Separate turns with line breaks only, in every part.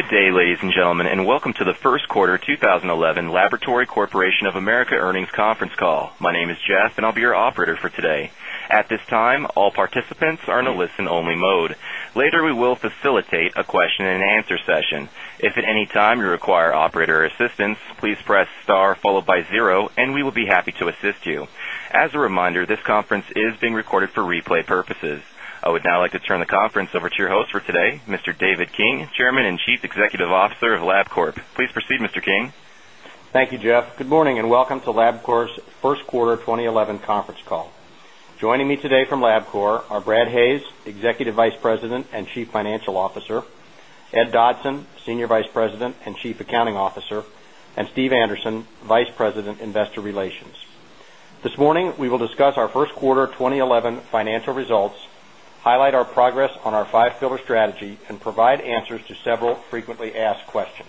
Good day, ladies and gentlemen, and welcome to the First Quarter 2011 Laboratory Corporation of America Earnings Conference Call. My name is Jeff, and I'll be your operator for today. At this time, all participants are in a listen-only mode. Later, we will facilitate a question-and-answer session. If at any time you require operator assistance, please press star followed by zero, and we will be happy to assist you. As a reminder, this conference is being recorded for replay purposes. I would now like to turn the conference over to your host for today, Mr. David King, Chairman and Chief Executive Officer of Labcorp. Please proceed, Mr. King.
Thank you, Jeff. Good morning and welcome to Labcorp's First Quarter 2011 Conference Call. Joining me today from Labcorp are Brad Hayes, Executive Vice President and Chief Financial Officer, Ed Dodson, Senior Vice President and Chief Accounting Officer, and Steve Andersen, Vice President, Investor Relations. This morning, we will discuss our First Quarter 2011 financial results, highlight our progress on our five-pillar strategy, and provide answers to several frequently asked questions.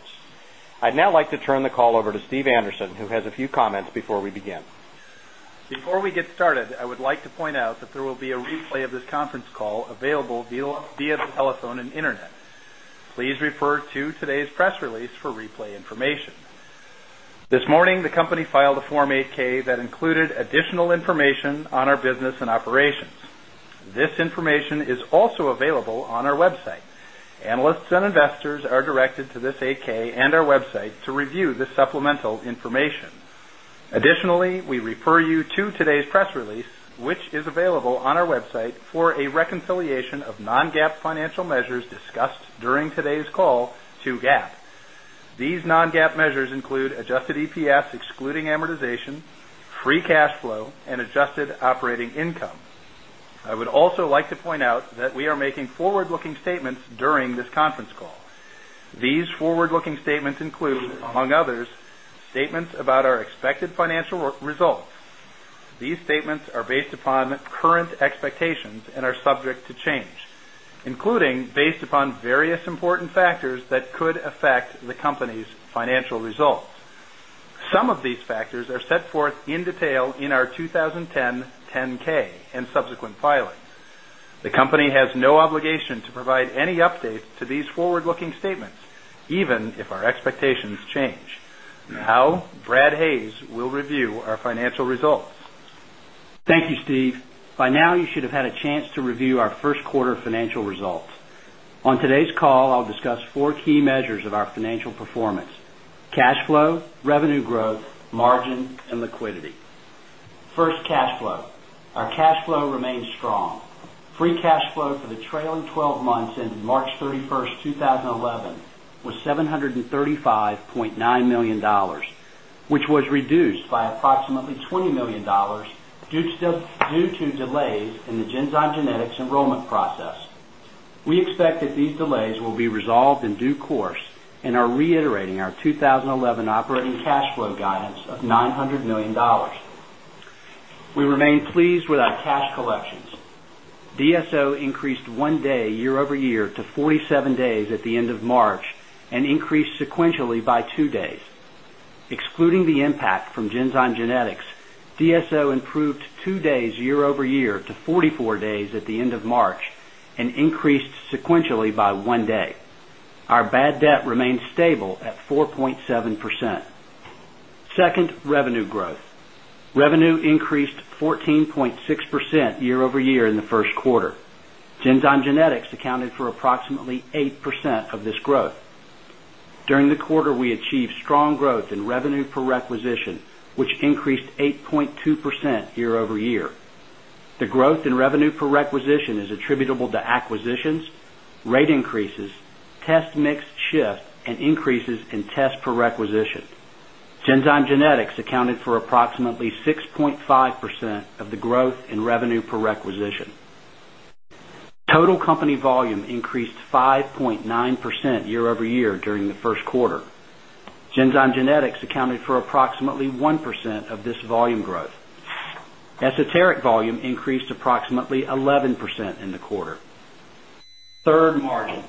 I'd now like to turn the call over to Steve Andersen, who has a few comments before we begin.
Before we get started, I would like to point out that there will be a replay of this conference call available via telephone and internet. Please refer to today's press release for replay information. This morning, the company filed a Form 8-K that included additional information on our business and operations. This information is also available on our website. Analysts and investors are directed to this 8-K and our website to review the supplemental information. Additionally, we refer you to today's press release, which is available on our website for a reconciliation of non-GAAP financial measures discussed during today's call to GAAP. These non-GAAP measures include adjusted EPS excluding amortization, free cash flow, and adjusted operating income. I would also like to point out that we are making forward-looking statements during this conference call. These forward-looking statements include, among others, statements about our expected financial results. These statements are based upon current expectations and are subject to change, including based upon various important factors that could affect the company's financial results. Some of these factors are set forth in detail in our 2010, 10-K and subsequent filings. The company has no obligation to provide any updates to these forward-looking statements, even if our expectations change. Now, Brad Hayes will review our financial results.
Thank you, Steve. By now, you should have had a chance to review our First Quarter financial results. On today's call, I'll discuss four key measures of our financial performance: cash flow, revenue growth, margin, and liquidity. First, cash flow. Our cash flow remains strong. Free cash flow for the trailing 12 months ending March 31, 2011, was $735.9 million, which was reduced by approximately $20 million due to delays in the Genzyme Genetics enrollment process. We expect that these delays will be resolved in due course and are reiterating our 2011 operating cash flow guidance of $900 million. We remain pleased with our cash collections. DSO increased one day year over year to 47 days at the end of March and increased sequentially by two days. Excluding the impact from Genzyme Genetics, DSO improved two days year over year to 44 days at the end of March and increased sequentially by one day. Our bad debt remains stable at 4.7%. Second, revenue growth. Revenue increased 14.6% year over year in the first quarter. Genzyme Genetics accounted for approximately 8% of this growth. During the quarter, we achieved strong growth in revenue per requisition, which increased 8.2% year over year. The growth in revenue per requisition is attributable to acquisitions, rate increases, test mix shift, and increases in test per requisition. Genzyme Genetics accounted for approximately 6.5% of the growth in revenue per requisition. Total company volume increased 5.9% year over year during the first quarter. Genzyme Genetics accounted for approximately 1% of this volume growth. Esoteric volume increased approximately 11% in the quarter. Third, margin.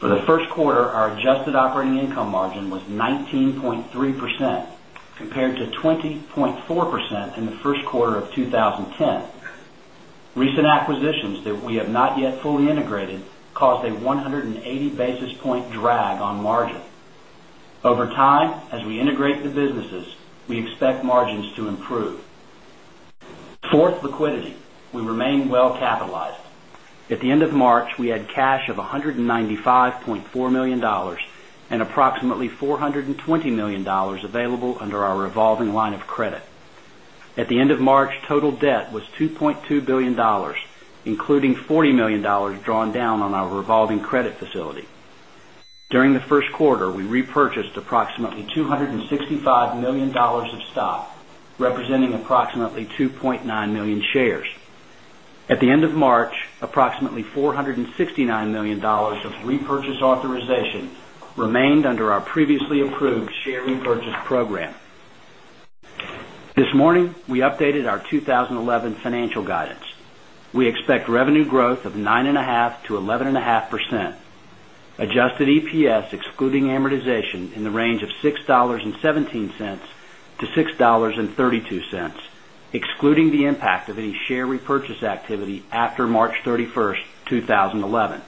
For the first quarter, our adjusted operating income margin was 19.3% compared to 20.4% in the first quarter of 2010. Recent acquisitions that we have not yet fully integrated caused a 180 basis point drag on margin. Over time, as we integrate the businesses, we expect margins to improve. Fourth, liquidity. We remain well-capitalized. At the end of March, we had cash of $195.4 million and approximately $420 million available under our revolving line of credit. At the end of March, total debt was $2.2 billion, including $40 million drawn down on our revolving credit facility. During the first quarter, we repurchased approximately $265 million of stock, representing approximately 2.9 million shares. At the end of March, approximately $469 million of repurchase authorization remained under our previously approved share repurchase program. This morning, we updated our 2011 financial guidance. We expect revenue growth of 9.5% to 11.5%. Adjusted EPS excluding amortization in the range of $6.17 to $6.32, excluding the impact of any share repurchase activity after March 31, 2011.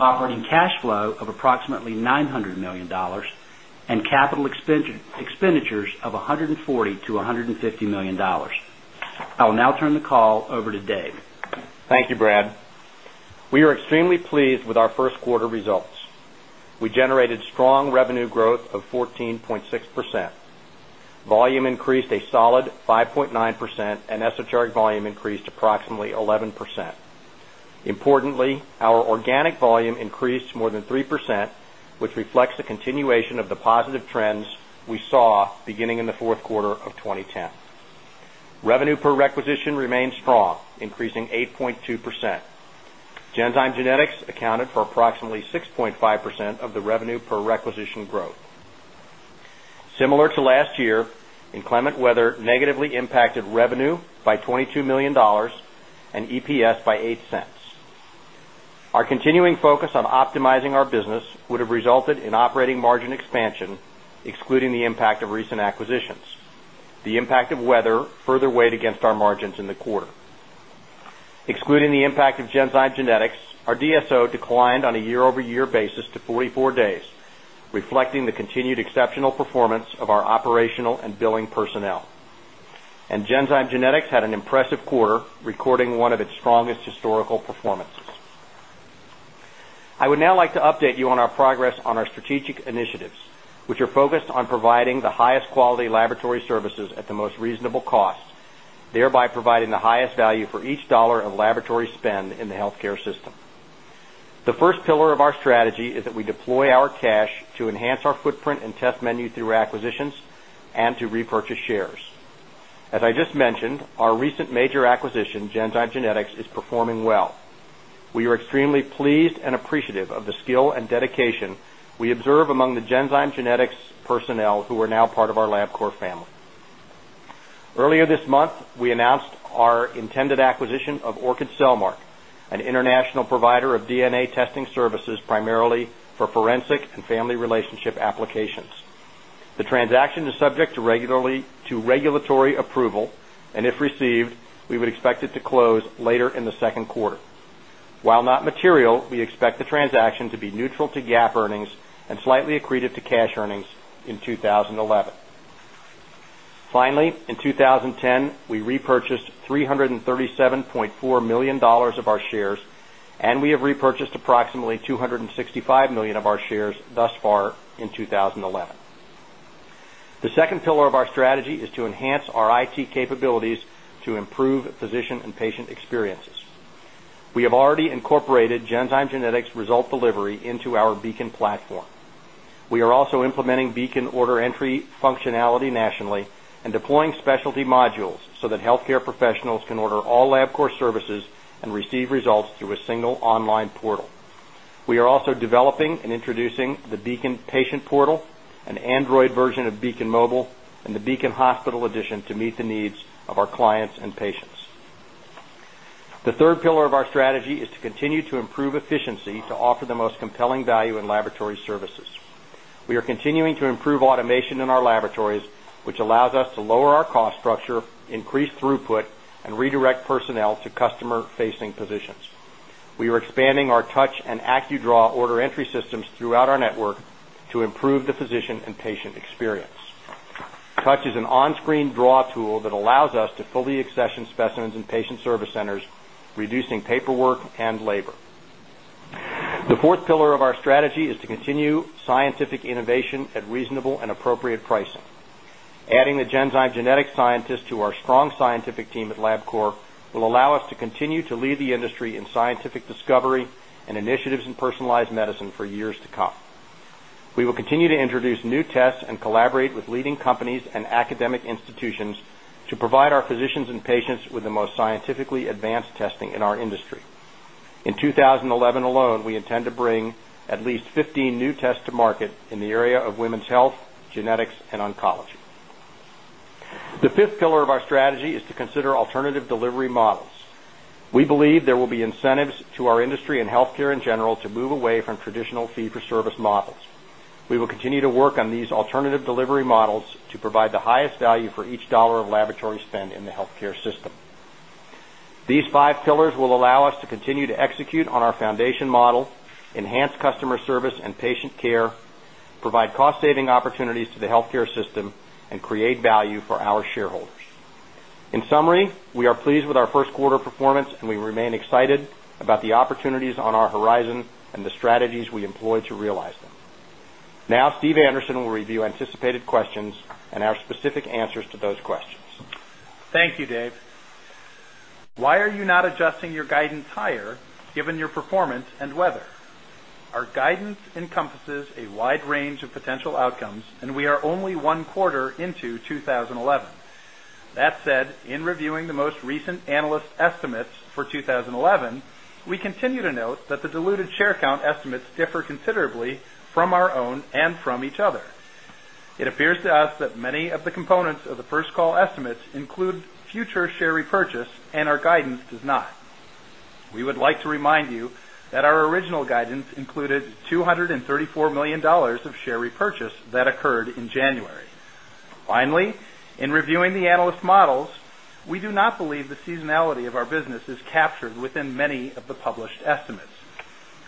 Operating cash flow of approximately $900 million and capital expenditures of $140 to $150 million. I will now turn the call over to Dave.
Thank you, Brad. We are extremely pleased with our first quarter results. We generated strong revenue growth of 14.6%. Volume increased a solid 5.9%, and esoteric volume increased approximately 11%. Importantly, our organic volume increased more than 3%, which reflects the continuation of the positive trends we saw beginning in the fourth quarter of 2010. Revenue per requisition remained strong, increasing 8.2%. Genzyme Genetics accounted for approximately 6.5% of the revenue per requisition growth. Similar to last year, inclement weather negatively impacted revenue by $22 million and EPS by $0.08. Our continuing focus on optimizing our business would have resulted in operating margin expansion, excluding the impact of recent acquisitions. The impact of weather further weighed against our margins in the quarter. Excluding the impact of Genzyme Genetics, our DSO declined on a year over year basis to 44 days, reflecting the continued exceptional performance of our operational and billing personnel. Genzyme Genetics had an impressive quarter, recording one of its strongest historical performances. I would now like to update you on our progress on our strategic initiatives, which are focused on providing the highest quality laboratory services at the most reasonable cost, thereby providing the highest value for each dollar of laboratory spend in the healthcare system. The first pillar of our strategy is that we deploy our cash to enhance our footprint and test menu through acquisitions and to repurchase shares. As I just mentioned, our recent major acquisition, Genzyme Genetics, is performing well. We are extremely pleased and appreciative of the skill and dedication we observe among the Genzyme Genetics personnel who are now part of our Labcorp family. Earlier this month, we announced our intended acquisition of Orchid Cellmark, an international provider of DNA testing services primarily for forensic and family relationship applications. The transaction is subject to regulatory approval, and if received, we would expect it to close later in the second quarter. While not material, we expect the transaction to be neutral to GAAP earnings and slightly accretive to cash earnings in 2011. Finally, in 2010, we repurchased $337.4 million of our shares, and we have repurchased approximately $265 million of our shares thus far in 2011. The second pillar of our strategy is to enhance our IT capabilities to improve physician and patient experiences. We have already incorporated Genzyme Genetics' result delivery into our Beacon platform. We are also implementing Beacon order entry functionality nationally and deploying specialty modules so that healthcare professionals can order all Labcorp services and receive results through a single online portal. We are also developing and introducing the Beacon Patient Portal, an Android version of Beacon Mobile, and the Beacon Hospital Edition to meet the needs of our clients and patients. The third pillar of our strategy is to continue to improve efficiency to offer the most compelling value in laboratory services. We are continuing to improve automation in our laboratories, which allows us to lower our cost structure, increase throughput, and redirect personnel to customer-facing positions. We are expanding our Touch and AccuDraw order entry systems throughout our network to improve the physician and patient experience. Touch is an on-screen draw tool that allows us to fully accession specimens in patient service centers, reducing paperwork and labor. The fourth pillar of our strategy is to continue scientific innovation at reasonable and appropriate pricing. Adding the Genzyme Genetics scientists to our strong scientific team at Labcorp will allow us to continue to lead the industry in scientific discovery and initiatives in personalized medicine for years to come. We will continue to introduce new tests and collaborate with leading companies and academic institutions to provide our physicians and patients with the most scientifically advanced testing in our industry. In 2011 alone, we intend to bring at least 15 new tests to market in the area of women's health, genetics, and oncology. The fifth pillar of our strategy is to consider alternative delivery models. We believe there will be incentives to our industry and healthcare in general to move away from traditional fee-for-service models. We will continue to work on these alternative delivery models to provide the highest value for each dollar of laboratory spend in the healthcare system. These five pillars will allow us to continue to execute on our foundation model, enhance customer service and patient care, provide cost-saving opportunities to the healthcare system, and create value for our shareholders. In summary, we are pleased with our first quarter performance, and we remain excited about the opportunities on our horizon and the strategies we employ to realize them. Now, Steve Andersen will review anticipated questions and our specific answers to those questions.
Thank you, Dave. Why are you not adjusting your guidance higher given your performance and weather? Our guidance encompasses a wide range of potential outcomes, and we are only one quarter into 2011. That said, in reviewing the most recent analyst estimates for 2011, we continue to note that the diluted share count estimates differ considerably from our own and from each other. It appears to us that many of the components of the first call estimates include future share repurchase, and our guidance does not. We would like to remind you that our original guidance included $234 million of share repurchase that occurred in January. Finally, in reviewing the analyst models, we do not believe the seasonality of our business is captured within many of the published estimates.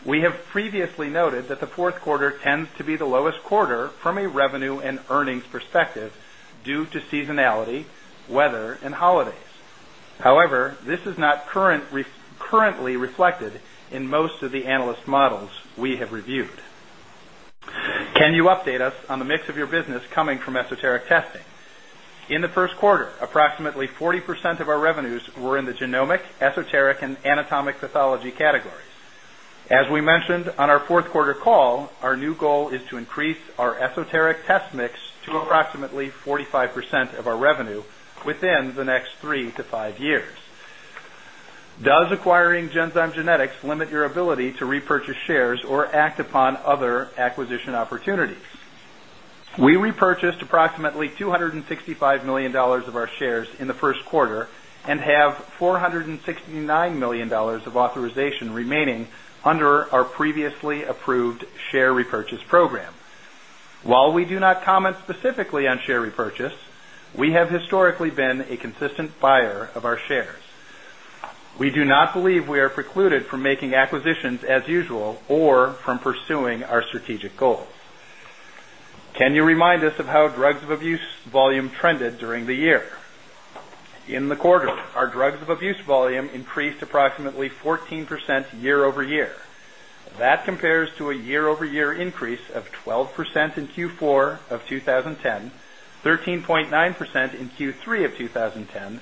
We have previously noted that the fourth quarter tends to be the lowest quarter from a revenue and earnings perspective due to seasonality, weather, and holidays. However, this is not currently reflected in most of the analyst models we have reviewed. Can you update us on the mix of your business coming from esoteric testing? In the first quarter, approximately 40% of our revenues were in the genomic, esoteric, and anatomic pathology categories. As we mentioned on our fourth quarter call, our new goal is to increase our esoteric test mix to approximately 45% of our revenue within the next three to five years. Does acquiring Genzyme Genetics limit your ability to repurchase shares or act upon other acquisition opportunities? We repurchased approximately $265 million of our shares in the first quarter and have $469 million of authorization remaining under our previously approved share repurchase program. While we do not comment specifically on share repurchase, we have historically been a consistent buyer of our shares. We do not believe we are precluded from making acquisitions as usual or from pursuing our strategic goals. Can you remind us of how drugs of abuse volume trended during the year? In the quarter, our drugs of abuse volume increased approximately 14% year over year. That compares to a year over year increase of 12% in Q4 of 2010, 13.9% in Q3 of 2010,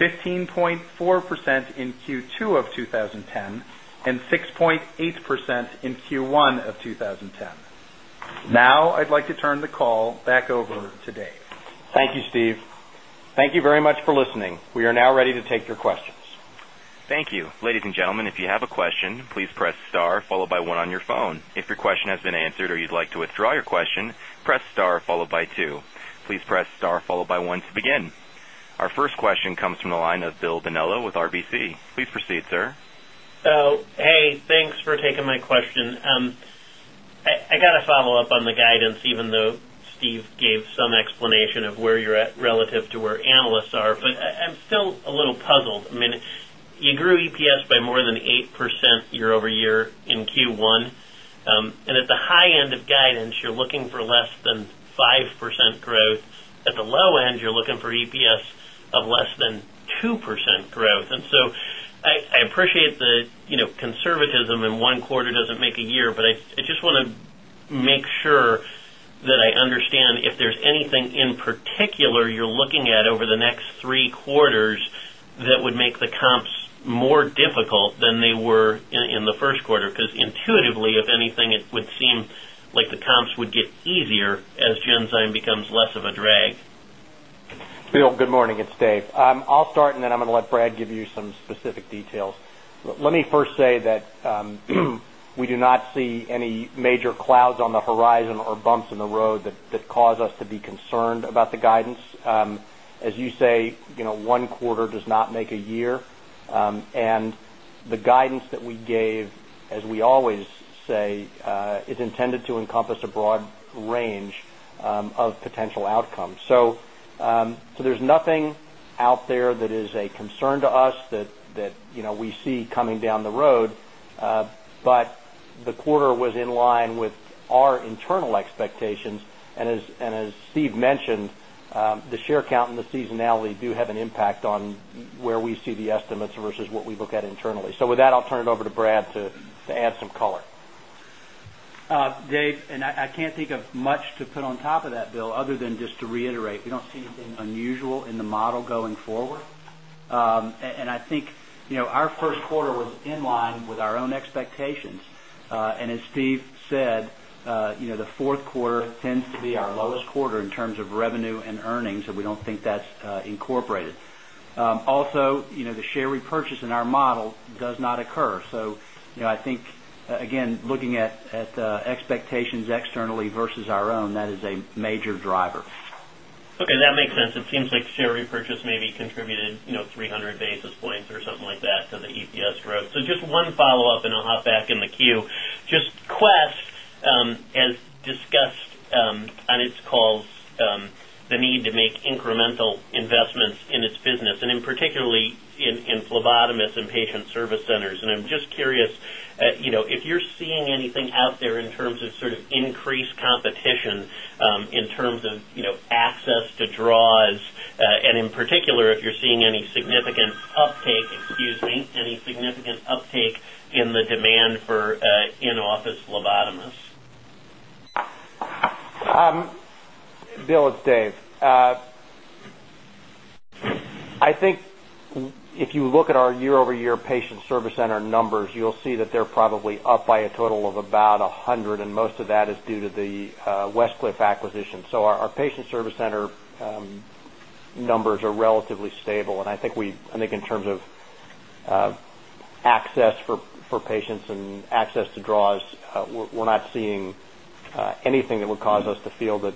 15.4% in Q2 of 2010, and 6.8% in Q1 of 2010. Now, I'd like to turn the call back over to Dave.
Thank you, Steve. Thank you very much for listening. We are now ready to take your questions.
Thank you. Ladies and gentlemen, if you have a question, please press star followed by one on your phone. If your question has been answered or you'd like to withdraw your question, press star followed by two. Please press star followed by one to begin. Our first question comes from the line of Glenn Novarro with RBC Capital Markets. Please proceed, sir.
Hey, thanks for taking my question. I got a follow-up on the guidance, even though Steve gave some explanation of where you're at relative to where analysts are, but I'm still a little puzzled. I mean, you grew EPS by more than 8% year over year in Q1, and at the high end of guidance, you're looking for less than 5% growth. At the low end, you're looking for EPS of less than 2% growth. I appreciate the conservatism in one quarter doesn't make a year, but I just want to make sure that I understand if there's anything in particular you're looking at over the next three quarters that would make the comps more difficult than they were in the first quarter. Because intuitively, if anything, it would seem like the comps would get easier as Genzyme becomes less of a drag.
Bill, good morning. It's Dave. I'll start, and then I'm going to let Brad give you some specific details. Let me first say that we do not see any major clouds on the horizon or bumps in the road that cause us to be concerned about the guidance. As you say, one quarter does not make a year, and the guidance that we gave, as we always say, is intended to encompass a broad range of potential outcomes. There is nothing out there that is a concern to us that we see coming down the road, but the quarter was in line with our internal expectations. As Steve mentioned, the share count and the seasonality do have an impact on where we see the estimates versus what we look at internally. With that, I'll turn it over to Brad to add some color.
Dave, and I can't think of much to put on top of that, Bill, other than just to reiterate we don't see anything unusual in the model going forward. I think our first quarter was in line with our own expectations. As Steve said, the fourth quarter tends to be our lowest quarter in terms of revenue and earnings, and we don't think that's incorporated. Also, the share repurchase in our model does not occur. I think, again, looking at expectations externally versus our own, that is a major driver.
Okay. That makes sense. It seems like share repurchase maybe contributed 300 basis points or something like that to the EPS growth. Just one follow-up, and I'll hop back in the queue. Just Quest, as discussed on its calls, the need to make incremental investments in its business, and in particularly in phlebotomists and patient service centers. I'm just curious, if you're seeing anything out there in terms of sort of increased competition in terms of access to draws, and in particular, if you're seeing any significant uptake, excuse me, any significant uptake in the demand for in-office phlebotomists?
Bill, it's Dave. I think if you look at our year over year patient service center numbers, you'll see that they're probably up by a total of about 100, and most of that is due to the Westcliff acquisition. Our patient service center numbers are relatively stable, and I think in terms of access for patients and access to draws, we're not seeing anything that would cause us to feel that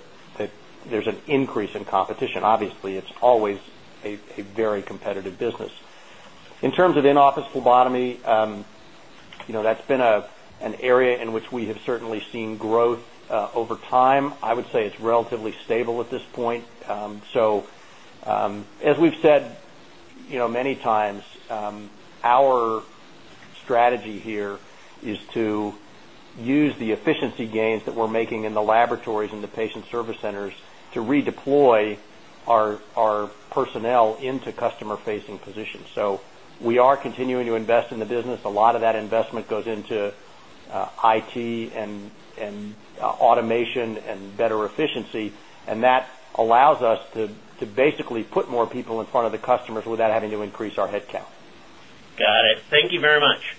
there's an increase in competition. Obviously, it's always a very competitive business. In terms of in-office phlebotomy, that's been an area in which we have certainly seen growth over time. I would say it's relatively stable at this point. As we've said many times, our strategy here is to use the efficiency gains that we're making in the laboratories and the patient service centers to redeploy our personnel into customer-facing positions. We are continuing to invest in the business. A lot of that investment goes into IT and automation and better efficiency, and that allows us to basically put more people in front of the customers without having to increase our headcount.
Got it. Thank you very much.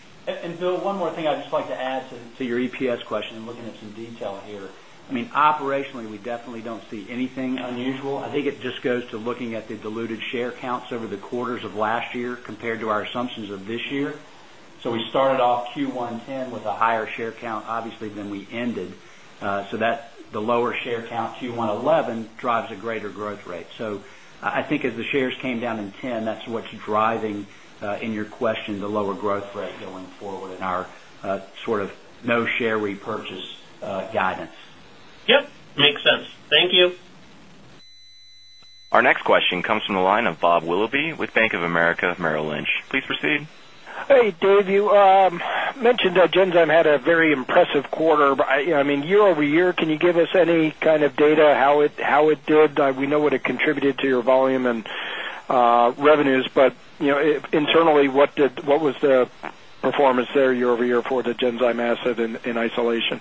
Bill, one more thing I'd just like to add to your EPS question. I'm looking at some detail here. I mean, operationally, we definitely don't see anything unusual. I think it just goes to looking at the diluted share counts over the quarters of last year compared to our assumptions of this year. We started off Q1 2010 with a higher share count, obviously, than we ended. The lower share count Q1 2011 drives a greater growth rate. I think as the shares came down in 2010, that's what's driving, in your question, the lower growth rate going forward in our sort of no-share repurchase guidance.
Yep. Makes sense. Thank you.
Our next question comes from the line of RobWilloughby with Bank of America Merrill Lynch. Please proceed.
Hey, Dave. You mentioned Genzyme had a very impressive quarter. I mean, year over year, can you give us any kind of data how it did? We know what it contributed to your volume and revenues, but internally, what was the performance there year over year for the Genzyme asset in isolation?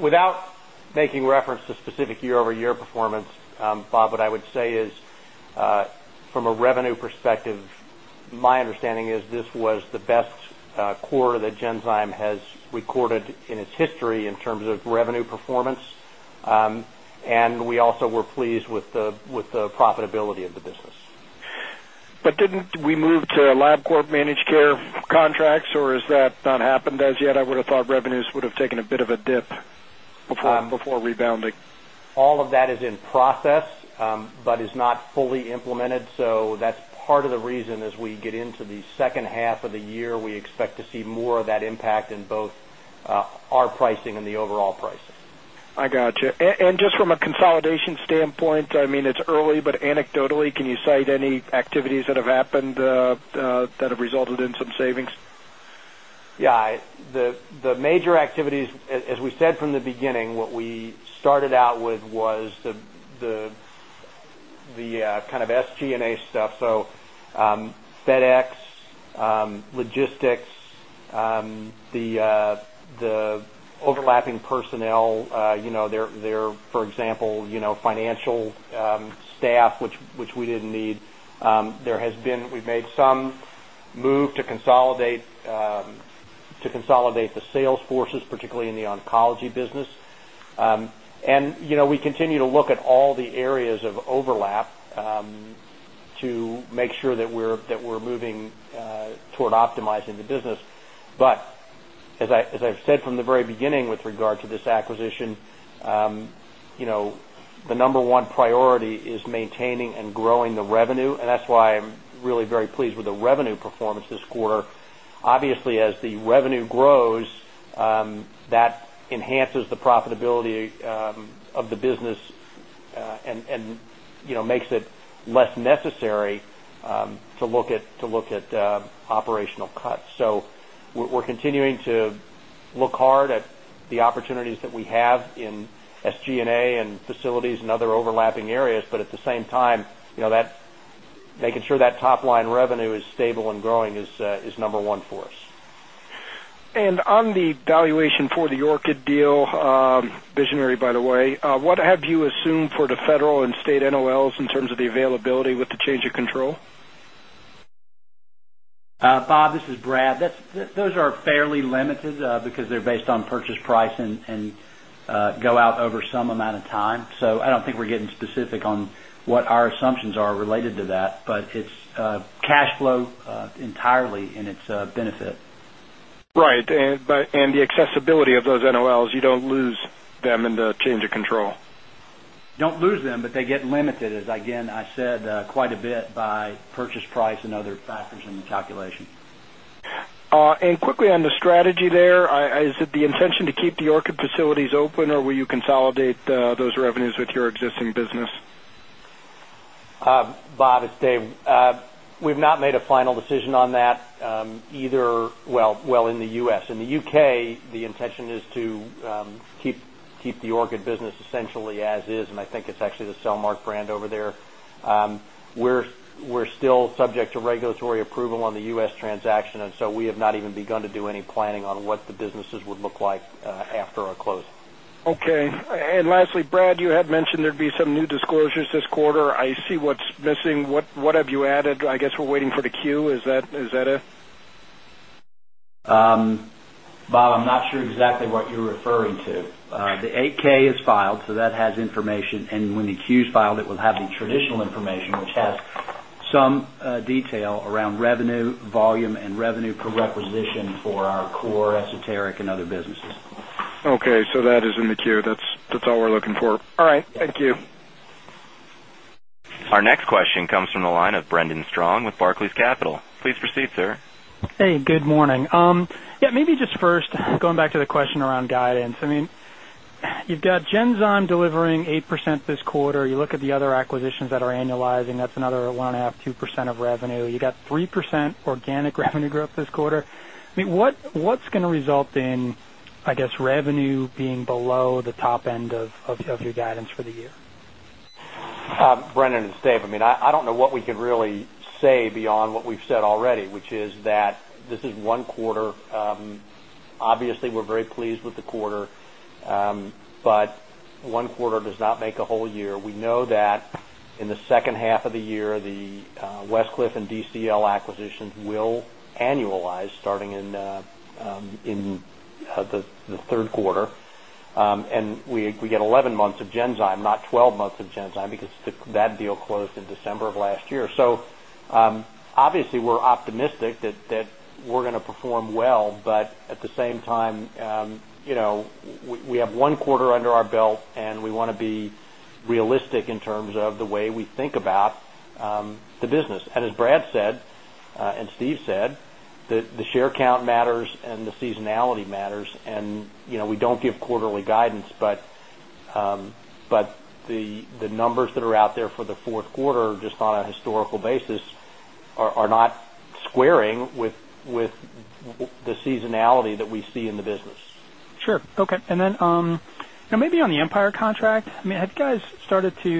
Without making reference to specific year over year performance, Bob, what I would say is from a revenue perspective, my understanding is this was the best quarter that Genzyme Genetics has recorded in its history in terms of revenue performance, and we also were pleased with the profitability of the business.
Didn't we move to Labcorp managed care contracts, or has that not happened as yet? I would have thought revenues would have taken a bit of a dip before rebounding.
All of that is in process but is not fully implemented. That is part of the reason as we get into the second half of the year, we expect to see more of that impact in both our pricing and the overall pricing.
I gotcha. From a consolidation standpoint, I mean, it's early, but anecdotally, can you cite any activities that have happened that have resulted in some savings?
Yeah. The major activities, as we said from the beginning, what we started out with was the kind of SG&A stuff. So FedEx, logistics, the overlapping personnel, their, for example, financial staff, which we did not need. There has been we have made some move to consolidate the sales forces, particularly in the oncology business. We continue to look at all the areas of overlap to make sure that we are moving toward optimizing the business. As I have said from the very beginning with regard to this acquisition, the number one priority is maintaining and growing the revenue, and that is why I am really very pleased with the revenue performance this quarter. Obviously, as the revenue grows, that enhances the profitability of the business and makes it less necessary to look at operational cuts. We're continuing to look hard at the opportunities that we have in SG&A and facilities and other overlapping areas, but at the same time, making sure that top-line revenue is stable and growing is number one for us.
On the valuation for the Orchid deal, visionary, by the way, what have you assumed for the federal and state NOLs in terms of the availability with the change of control?
Bob, this is Brad. Those are fairly limited because they're based on purchase price and go out over some amount of time. I don't think we're getting specific on what our assumptions are related to that, but it's cash flow entirely in its benefit.
Right. And the accessibility of those NOLs, you don't lose them in the change of control?
Don't lose them, but they get limited, as again, I said, quite a bit by purchase price and other factors in the calculation.
Quickly on the strategy there, is it the intention to keep the Orchid facilities open, or will you consolidate those revenues with your existing business?
Bob, it's Dave. We've not made a final decision on that either in the U.S. In the U.K., the intention is to keep the Cellmark business essentially as is, and I think it's actually the Cellmark brand over there. We're still subject to regulatory approval on the U.S. transaction, and so we have not even begun to do any planning on what the businesses would look like after our closing.
Okay. Lastly, Brad, you had mentioned there'd be some new disclosures this quarter. I see what's missing. What have you added? I guess we're waiting for the queue. Is that a?
Bob, I'm not sure exactly what you're referring to. The 8-K is filed, so that has information. When the queue's filed, it will have the traditional information, which has some detail around revenue, volume, and revenue per requisition for our core, esoteric, and other businesses.
Okay. So that is in the queue. That's all we're looking for. All right. Thank you.
Our next question comes from the line of Brendan Strong with Barclays Capital. Please proceed, sir.
Hey, good morning. Yeah, maybe just first, going back to the question around guidance. I mean, you've got Genzyme Genetics delivering 8% this quarter. You look at the other acquisitions that are annualizing. That's another 1.5-2% of revenue. You got 3% organic revenue growth this quarter. I mean, what's going to result in, I guess, revenue being below the top end of your guidance for the year?
Brendan and Dave, I mean, I do not know what we can really say beyond what we have said already, which is that this is one quarter. Obviously, we are very pleased with the quarter, but one quarter does not make a whole year. We know that in the second half of the year, the Westcliff and DCL acquisitions will annualize starting in the third quarter. We get 11 months of Genzyme, not 12 months of Genzyme because that deal closed in December of last year. Obviously, we are optimistic that we are going to perform well, but at the same time, we have one quarter under our belt, and we want to be realistic in terms of the way we think about the business. As Brad said and Steve said, the share count matters and the seasonality matters. We don't give quarterly guidance, but the numbers that are out there for the fourth quarter, just on a historical basis, are not squaring with the seasonality that we see in the business.
Sure. Okay. I mean, on the Empire contract, have you guys started to,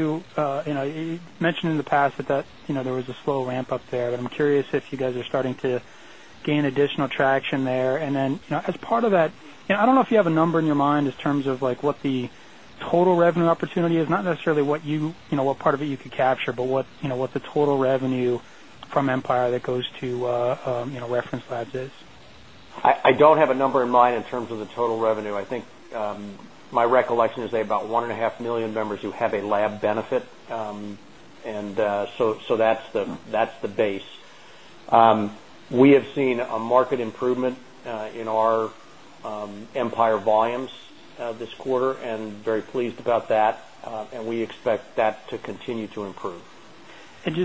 you mentioned in the past that there was a slow ramp up there, but I'm curious if you guys are starting to gain additional traction there. As part of that, I don't know if you have a number in your mind in terms of what the total revenue opportunity is, not necessarily what part of it you could capture, but what the total revenue from Empire that goes to Reference Labs is.
I don't have a number in mind in terms of the total revenue. I think my recollection is they have about 1.5 million members who have a lab benefit, and so that's the base. We have seen a marked improvement in our Empire volumes this quarter and very pleased about that, and we expect that to continue to improve.
I mean,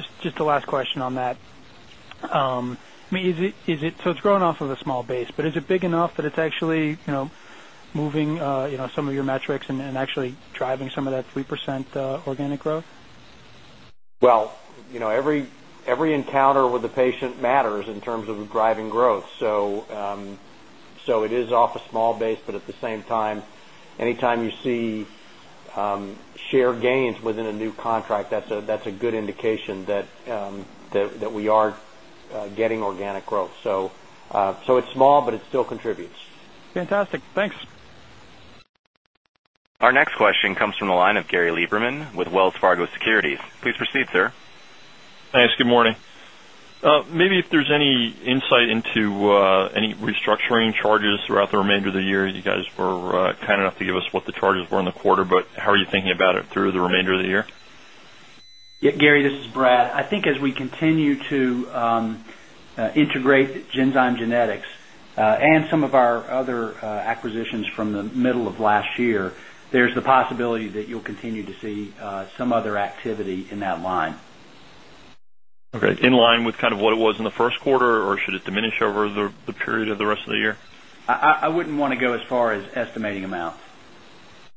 is it so it's growing off of a small base, but is it big enough that it's actually moving some of your metrics and actually driving some of that 3% organic growth?
Every encounter with a patient matters in terms of driving growth. It is off a small base, but at the same time, anytime you see share gains within a new contract, that's a good indication that we are getting organic growth. It is small, but it still contributes.
Fantastic. Thanks.
Our next question comes from the line of Gary Lieberman with Wells Fargo Securities. Please proceed, sir.
Thanks. Good morning. Maybe if there's any insight into any restructuring charges throughout the remainder of the year. You guys were kind enough to give us what the charges were in the quarter, but how are you thinking about it through the remainder of the year?
Yeah, Gary, this is Brad. I think as we continue to integrate Genzyme Genetics and some of our other acquisitions from the middle of last year, there's the possibility that you'll continue to see some other activity in that line.
Okay. In line with kind of what it was in the first quarter, or should it diminish over the period of the rest of the year?
I wouldn't want to go as far as estimating amounts.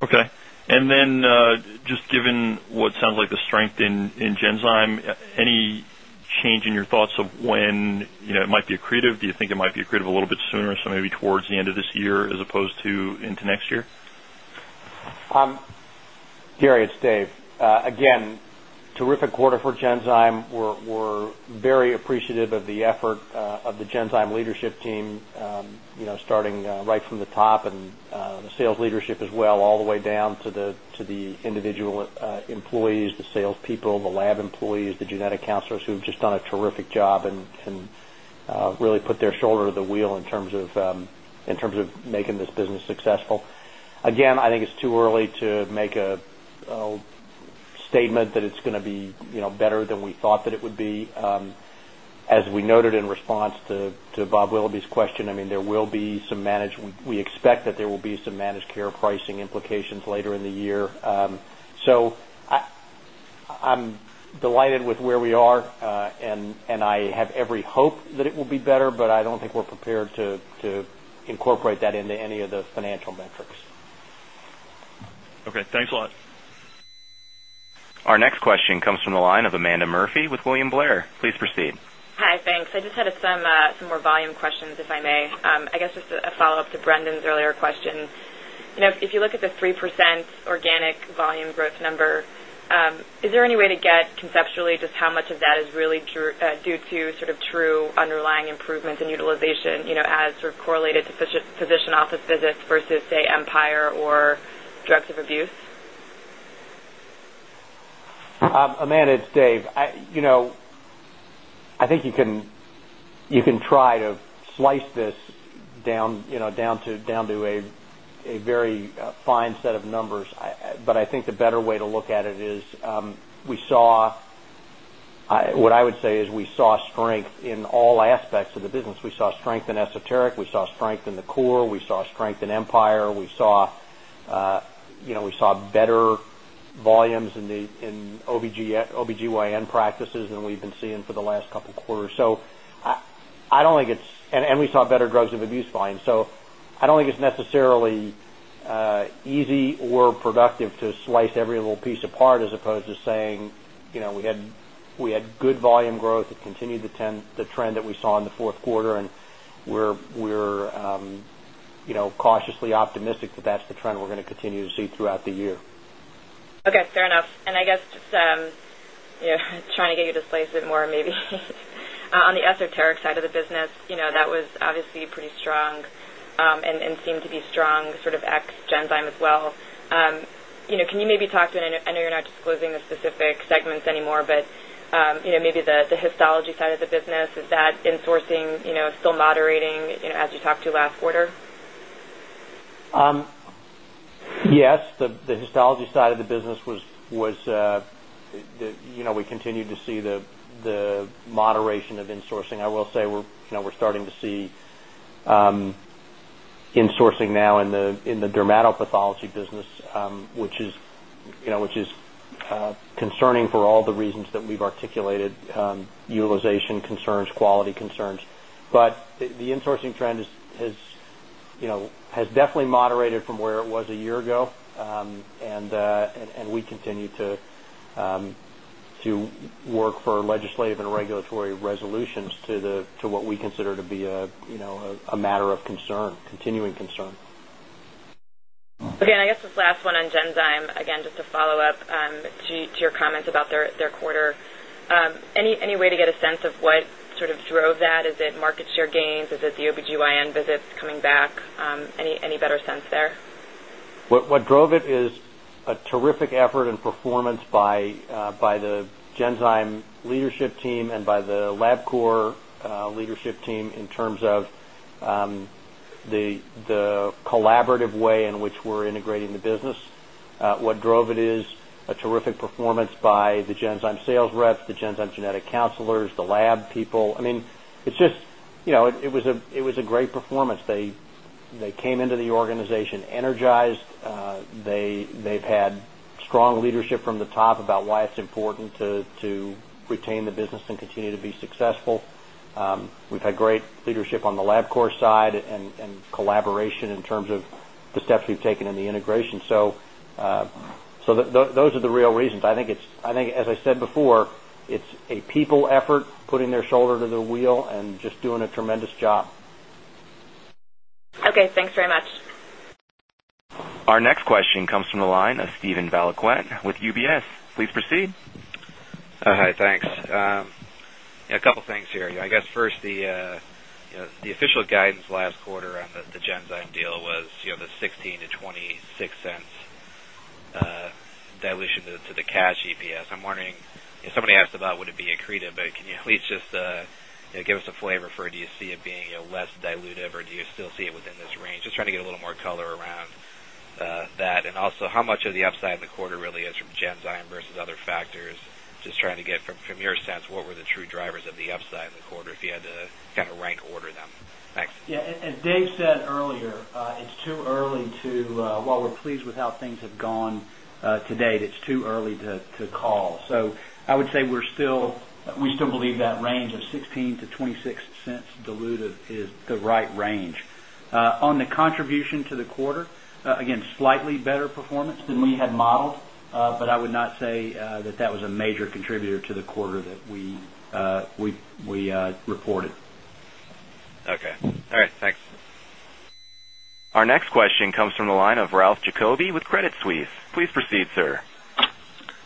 Okay. Just given what sounds like the strength in Genzyme, any change in your thoughts of when it might be accretive? Do you think it might be accretive a little bit sooner, so maybe towards the end of this year as opposed to into next year?
Gary, it's Dave. Again, terrific quarter for Genzyme. We're very appreciative of the effort of the Genzyme leadership team starting right from the top and the sales leadership as well, all the way down to the individual employees, the salespeople, the lab employees, the genetic counselors who have just done a terrific job and really put their shoulder to the wheel in terms of making this business successful. Again, I think it's too early to make a statement that it's going to be better than we thought that it would be. As we noted in response to Bob Willoughby's question, I mean, there will be some managed we expect that there will be some managed care pricing implications later in the year. I'm delighted with where we are, and I have every hope that it will be better, but I don't think we're prepared to incorporate that into any of the financial metrics.
Okay. Thanks a lot.
Our next question comes from the line of Amanda Murphy with William Blair. Please proceed.
Hi, thanks. I just had some more volume questions, if I may. I guess just a follow-up to Brendan's earlier question. If you look at the 3% organic volume growth number, is there any way to get conceptually just how much of that is really due to sort of true underlying improvements and utilization as sort of correlated to physician office visits versus, say, Empire or drugs of abuse?
Amanda, it's Dave. I think you can try to slice this down to a very fine set of numbers, but I think the better way to look at it is we saw what I would say is we saw strength in all aspects of the business. We saw strength in esoteric. We saw strength in the core. We saw strength in Empire. We saw better volumes in OBGYN practices than we've been seeing for the last couple of quarters. I don't think it's and we saw better drugs of abuse volume. I don't think it's necessarily easy or productive to slice every little piece apart as opposed to saying we had good volume growth. It continued the trend that we saw in the fourth quarter, and we're cautiously optimistic that that's the trend we're going to continue to see throughout the year.
Okay. Fair enough. I guess just trying to get you to slice it more maybe on the esoteric side of the business, that was obviously pretty strong and seemed to be strong sort of ex-Genzyme as well. Can you maybe talk to, and I know you're not disclosing the specific segments anymore, but maybe the histology side of the business, is that insourcing still moderating as you talked to last quarter?
Yes. The histology side of the business was we continued to see the moderation of insourcing. I will say we're starting to see insourcing now in the dermatopathology business, which is concerning for all the reasons that we've articulated: utilization concerns, quality concerns. The insourcing trend has definitely moderated from where it was a year ago, and we continue to work for legislative and regulatory resolutions to what we consider to be a matter of concern, continuing concern.
Again, I guess this last one on Genzyme, again, just to follow up to your comments about their quarter. Any way to get a sense of what sort of drove that? Is it market share gains? Is it the OBGYN visits coming back? Any better sense there?
What drove it is a terrific effort and performance by the Genzyme leadership team and by the Labcorp leadership team in terms of the collaborative way in which we're integrating the business. What drove it is a terrific performance by the Genzyme sales reps, the Genzyme genetic counselors, the lab people. I mean, it's just it was a great performance. They came into the organization energized. They've had strong leadership from the top about why it's important to retain the business and continue to be successful. We've had great leadership on the Labcorp side and collaboration in terms of the steps we've taken in the integration. Those are the real reasons. I think, as I said before, it's a people effort putting their shoulder to the wheel and just doing a tremendous job.
Okay. Thanks very much.
Our next question comes from the line of Steven Valiquette with UBS. Please proceed.
Hi, thanks. A couple of things here. I guess first, the official guidance last quarter on the Genzyme Genetics deal was the 16 to 26 cents dilution to the cash EPS. I'm wondering if somebody asked about would it be accretive, but can you at least just give us a flavor for it? Do you see it being less dilutive, or do you still see it within this range? Just trying to get a little more color around that. Also, how much of the upside in the quarter really is from Genzyme Genetics versus other factors? Just trying to get from your sense, what were the true drivers of the upside in the quarter if you had to kind of rank order them? Thanks.
Yeah. As Dave said earlier, it's too early to, while we're pleased with how things have gone to date, it's too early to call. I would say we still believe that range of 16 to 26 cents dilutive is the right range. On the contribution to the quarter, again, slightly better performance than we had modeled, but I would not say that that was a major contributor to the quarter that we reported.
Okay. All right. Thanks.
Our next question comes from the line ofRalph Jakobi with Credit Suisse. Please proceed, sir.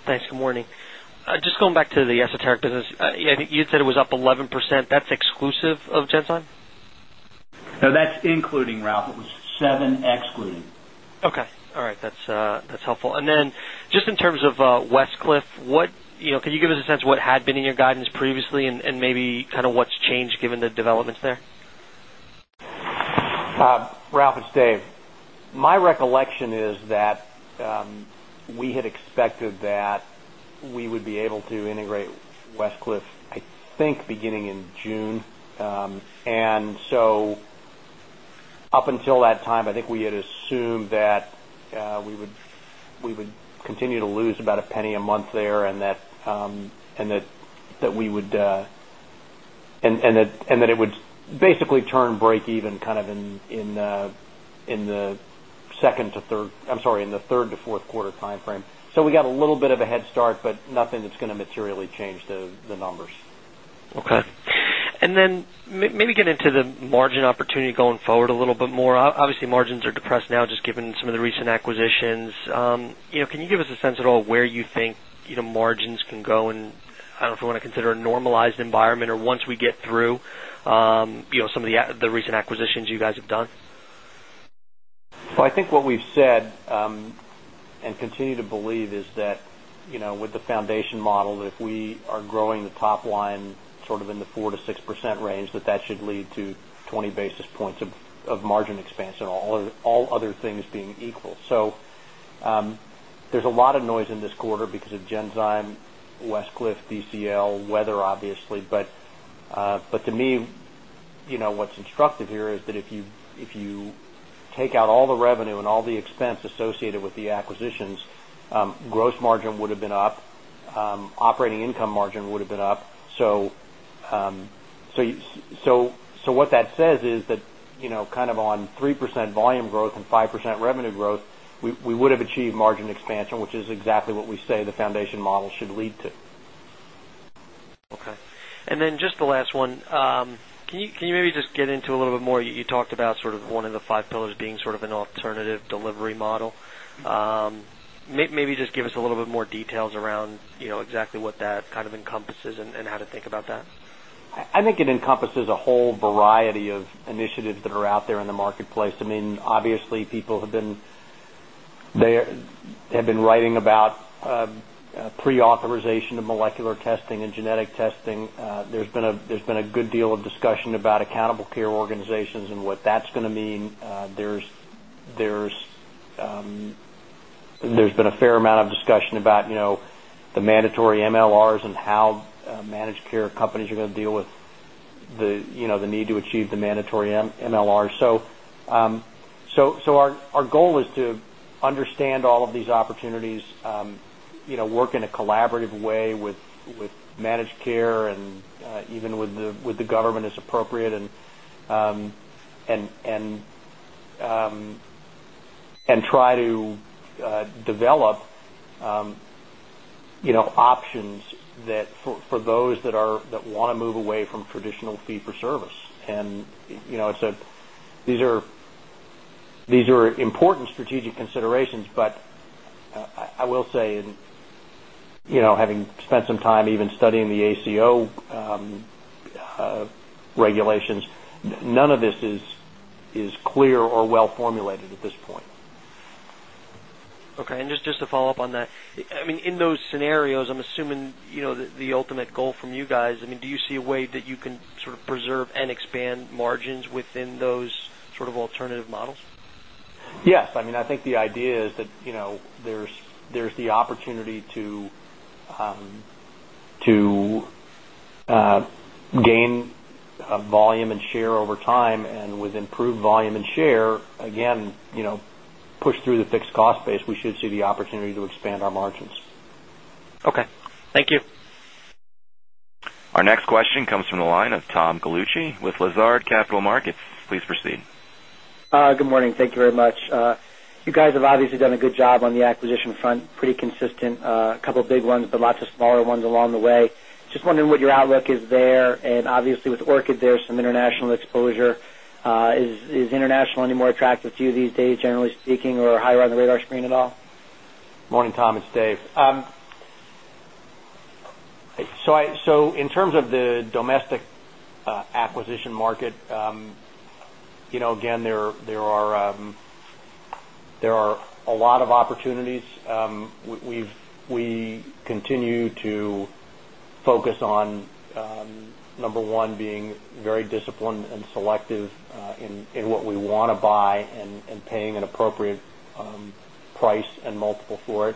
Thanks. Good morning. Just going back to the esoteric business, you had said it was up 11%. That's exclusive of Genzyme?
No, that's including Ralph. It was seven excluding.
Okay. All right. That's helpful. In terms of Westcliff, can you give us a sense of what had been in your guidance previously and maybe kind of what's changed given the developments there?
Ralph, it's Dave. My recollection is that we had expected that we would be able to integrate Westcliff, I think, beginning in June. Up until that time, I think we had assumed that we would continue to lose about a penny a month there and that it would basically turn break even kind of in the third to fourth quarter time frame. We got a little bit of a head start, but nothing that's going to materially change the numbers.
Okay. And then maybe get into the margin opportunity going forward a little bit more. Obviously, margins are depressed now just given some of the recent acquisitions. Can you give us a sense at all where you think margins can go in, I do not know if we want to consider a normalized environment or once we get through some of the recent acquisitions you guys have done?
I think what we've said and continue to believe is that with the foundation model, if we are growing the top line sort of in the 4% to 6% range, that should lead to 20 basis points of margin expanse and all other things being equal. There is a lot of noise in this quarter because of Genzyme, Westcliff, DCL, weather obviously. To me, what's instructive here is that if you take out all the revenue and all the expense associated with the acquisitions, gross margin would have been up, operating income margin would have been up. What that says is that kind of on 3% volume growth and 5% revenue growth, we would have achieved margin expansion, which is exactly what we say the foundation model should lead to.
Okay. And then just the last one. Can you maybe just get into a little bit more? You talked about sort of one of the five pillars being sort of an alternative delivery model. Maybe just give us a little bit more details around exactly what that kind of encompasses and how to think about that.
I think it encompasses a whole variety of initiatives that are out there in the marketplace. I mean, obviously, people have been writing about pre-authorization of molecular testing and genetic testing. There's been a good deal of discussion about accountable care organizations and what that's going to mean. There's been a fair amount of discussion about the mandatory MLRs and how managed care companies are going to deal with the need to achieve the mandatory MLRs. Our goal is to understand all of these opportunities, work in a collaborative way with managed care and even with the government as appropriate, and try to develop options for those that want to move away from traditional fee-for-service. These are important strategic considerations, but I will say, having spent some time even studying the ACO regulations, none of this is clear or well-formulated at this point.
Okay. Just to follow up on that, I mean, in those scenarios, I'm assuming the ultimate goal from you guys, I mean, do you see a way that you can sort of preserve and expand margins within those sort of alternative models?
Yes. I mean, I think the idea is that there's the opportunity to gain volume and share over time. With improved volume and share, again, push through the fixed cost base, we should see the opportunity to expand our margins.
Okay. Thank you.
Our next question comes from the line ofTom Gallucci with Lazard Capital Markets. Please proceed.
Good morning. Thank you very much. You guys have obviously done a good job on the acquisition front, pretty consistent. A couple of big ones, but lots of smaller ones along the way. Just wondering what your outlook is there. Obviously, with Orchid, there's some international exposure. Is international any more attractive to you these days, generally speaking, or higher on the radar screen at all?
Morning, Tom. It's Dave. In terms of the domestic acquisition market, again, there are a lot of opportunities. We continue to focus on number one being very disciplined and selective in what we want to buy and paying an appropriate price and multiple for it.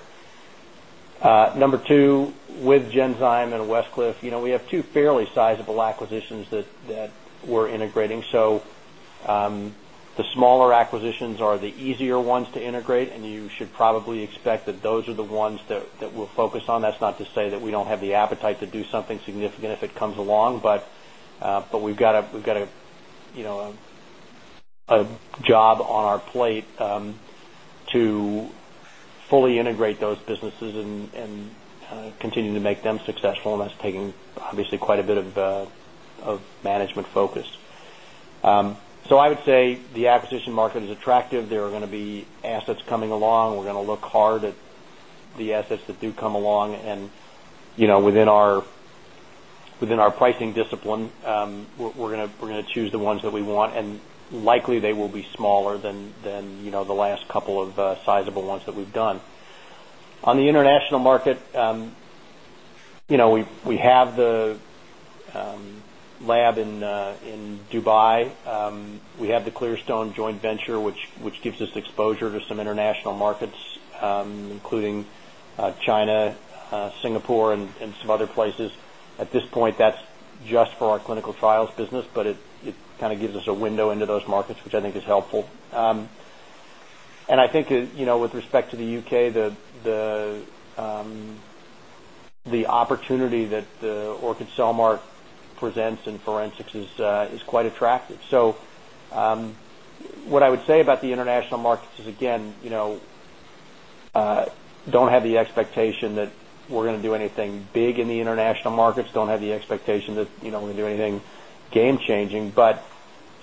Number two, with Genzyme and Westcliff, we have two fairly sizable acquisitions that we're integrating. The smaller acquisitions are the easier ones to integrate, and you should probably expect that those are the ones that we'll focus on. That's not to say that we don't have the appetite to do something significant if it comes along, but we've got a job on our plate to fully integrate those businesses and continue to make them successful. That is taking, obviously, quite a bit of management focus. I would say the acquisition market is attractive. There are going to be assets coming along. We're going to look hard at the assets that do come along. Within our pricing discipline, we're going to choose the ones that we want, and likely they will be smaller than the last couple of sizable ones that we've done. On the international market, we have the lab in Dubai. We have the Clearstone joint venture, which gives us exposure to some international markets, including China, Singapore, and some other places. At this point, that's just for our clinical trials business, but it kind of gives us a window into those markets, which I think is helpful. I think with respect to the U.K., the opportunity that the Orchid Cellmark presents in forensics is quite attractive. What I would say about the international markets is, again, don't have the expectation that we're going to do anything big in the international markets. Don't have the expectation that we're going to do anything game-changing.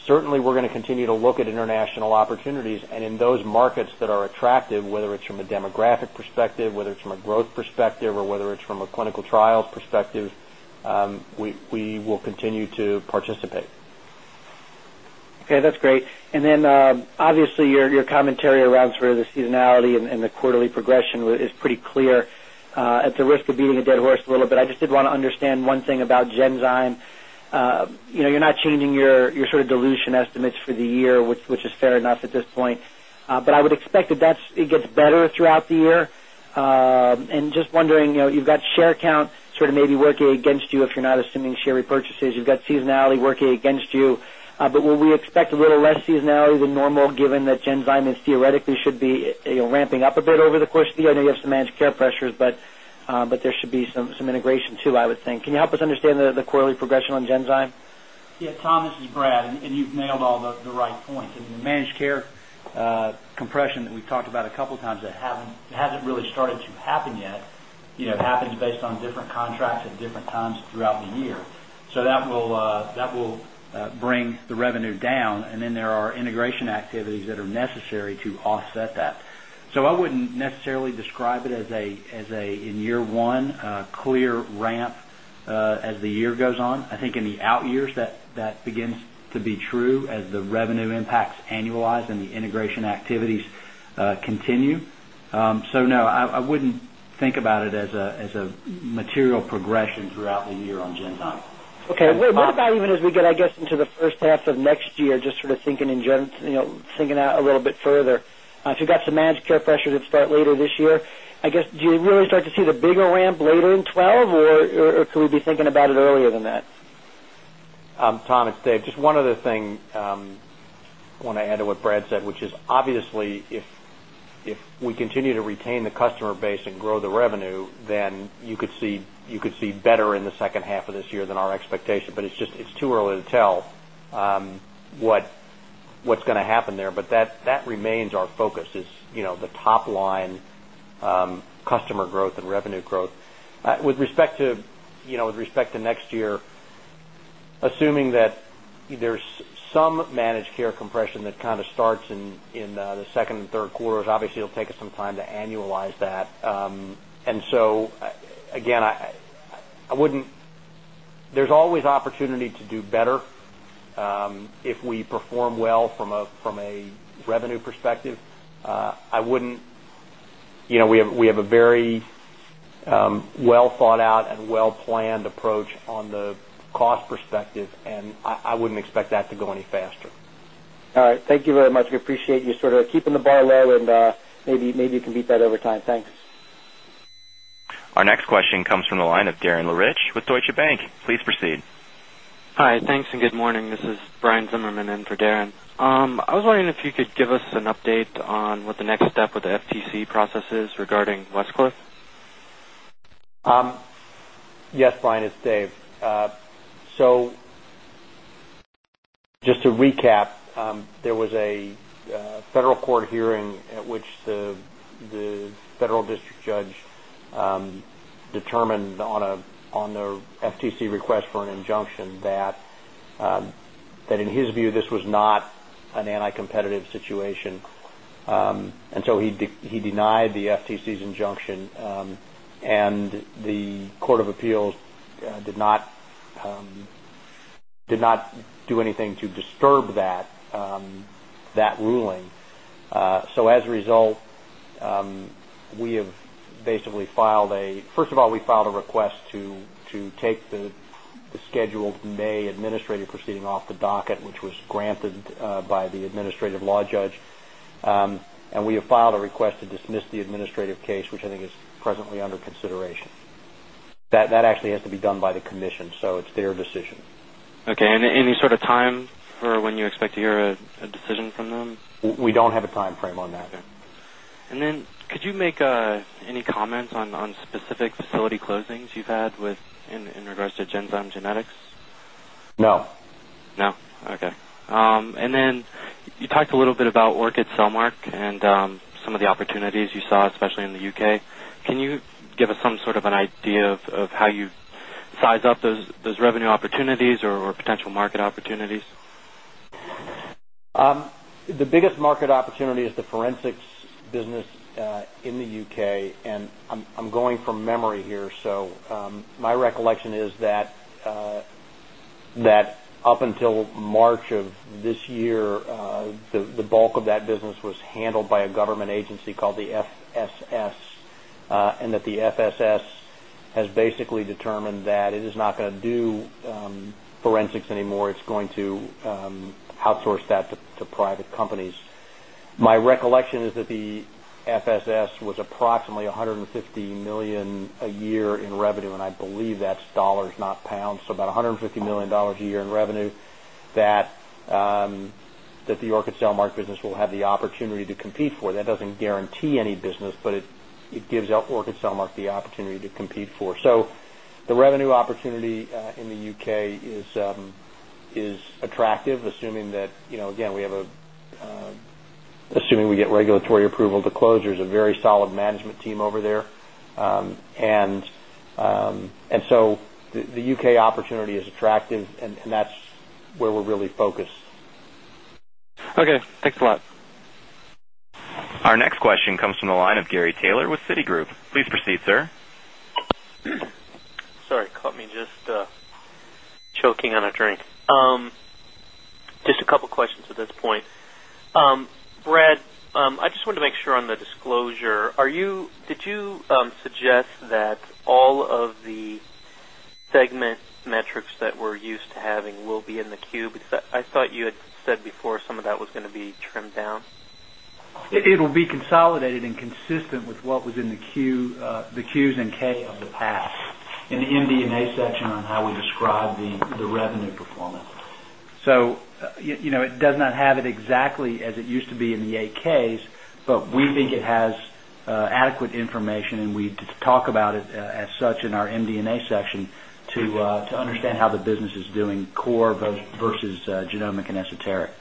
Certainly, we're going to continue to look at international opportunities. In those markets that are attractive, whether it's from a demographic perspective, whether it's from a growth perspective, or whether it's from a clinical trials perspective, we will continue to participate.
Okay. That's great. Obviously, your commentary around sort of the seasonality and the quarterly progression is pretty clear. At the risk of beating a dead horse a little bit, I just did want to understand one thing about Genzyme. You're not changing your sort of dilution estimates for the year, which is fair enough at this point. I would expect that it gets better throughout the year. Just wondering, you've got share count sort of maybe working against you if you're not assuming share repurchases. You've got seasonality working against you. Will we expect a little less seasonality than normal given that Genzyme theoretically should be ramping up a bit over the course of the year? I know you have some managed care pressures, but there should be some integration too, I would think. Can you help us understand the quarterly progression on Genzyme?
Yeah. Tom, this is Brad. And you've nailed all the right points. I mean, the managed care compression that we've talked about a couple of times that hasn't really started to happen yet happens based on different contracts at different times throughout the year. That will bring the revenue down. There are integration activities that are necessary to offset that. I wouldn't necessarily describe it as a, in year one, clear ramp as the year goes on. I think in the out years, that begins to be true as the revenue impacts annualize and the integration activities continue. No, I wouldn't think about it as a material progression throughout the year on Genzyme.
Okay. What about even as we get, I guess, into the first half of next year, just sort of thinking out a little bit further? If you've got some managed care pressures that start later this year, I guess, do you really start to see the bigger ramp later in 2012, or could we be thinking about it earlier than that?
Tom, it's Dave. Just one other thing I want to add to what Brad said, which is obviously, if we continue to retain the customer base and grow the revenue, then you could see better in the second half of this year than our expectation. It is too early to tell what's going to happen there. That remains our focus is the top line customer growth and revenue growth. With respect to next year, assuming that there's some managed care compression that kind of starts in the second and third quarters, it will take us some time to annualize that. Again, there is always opportunity to do better if we perform well from a revenue perspective. We have a very well-thought-out and well-planned approach on the cost perspective, and I wouldn't expect that to go any faster.
All right. Thank you very much. We appreciate you sort of keeping the bar low, and maybe you can beat that over time. Thanks.
Our next question comes from the line of Darren LeRiche with Deutsche Bank. Please proceed.
Hi. Thanks and good morning. This is Brian Zimmerman in for Darren. I was wondering if you could give us an update on what the next step with the FTC process is regarding Westcliff.
Yes, Brian. It's Dave. Just to recap, there was a federal court hearing at which the federal district judge determined on the FTC request for an injunction that in his view, this was not an anti-competitive situation. He denied the FTC's injunction, and the Court of Appeals did not do anything to disturb that ruling. As a result, we have basically filed a, first of all, we filed a request to take the scheduled May administrative proceeding off the docket, which was granted by the administrative law judge. We have filed a request to dismiss the administrative case, which I think is presently under consideration. That actually has to be done by the commission, so it's their decision.
Okay. Any sort of time for when you expect to hear a decision from them?
We don't have a timeframe on that.
Okay. Could you make any comments on specific facility closings you've had in regards to Genzyme Genetics?
No.
No? Okay. You talked a little bit about Orchid Cellmark and some of the opportunities you saw, especially in the U.K. Can you give us some sort of an idea of how you size up those revenue opportunities or potential market opportunities?
The biggest market opportunity is the forensics business in the U.K. I'm going from memory here. My recollection is that up until March of this year, the bulk of that business was handled by a government agency called the FSS, and that the FSS has basically determined that it is not going to do forensics anymore. It is going to outsource that to private companies. My recollection is that the FSS was approximately $150 million a year in revenue, and I believe that's dollars, not pounds. So about $150 million a year in revenue that the Orchid Cellmark business will have the opportunity to compete for. That does not guarantee any business, but it gives Orchid Cellmark the opportunity to compete for. The revenue opportunity in the U.K. is attractive, assuming that, again, we have a, assuming we get regulatory approval to close is a very solid management team over there. The U.K. opportunity is attractive, and that is where we are really focused.
Okay. Thanks a lot.
Our next question comes from the line of Gary Taylor with Citigroup. Please proceed, sir.
S``orry. Caught me just choking on a drink. Just a couple of questions at this point. Brad, I just wanted to make sure on the disclosure. Did you suggest that all of the segme``nt metrics that we're used to having will be in the Q? Because I thought you had said before some of that was going to be trimmed down.
It'll be consolidated and consistent with what was in the Qs and Ks of the past in the MD&A section on how we describe the revenue performance. It does not have it exactly as it used to be in the AKs, but we think it has adequate information, and we talk about it as such in our MD&A section to understand how the business is doing core versus genomic and esoteric.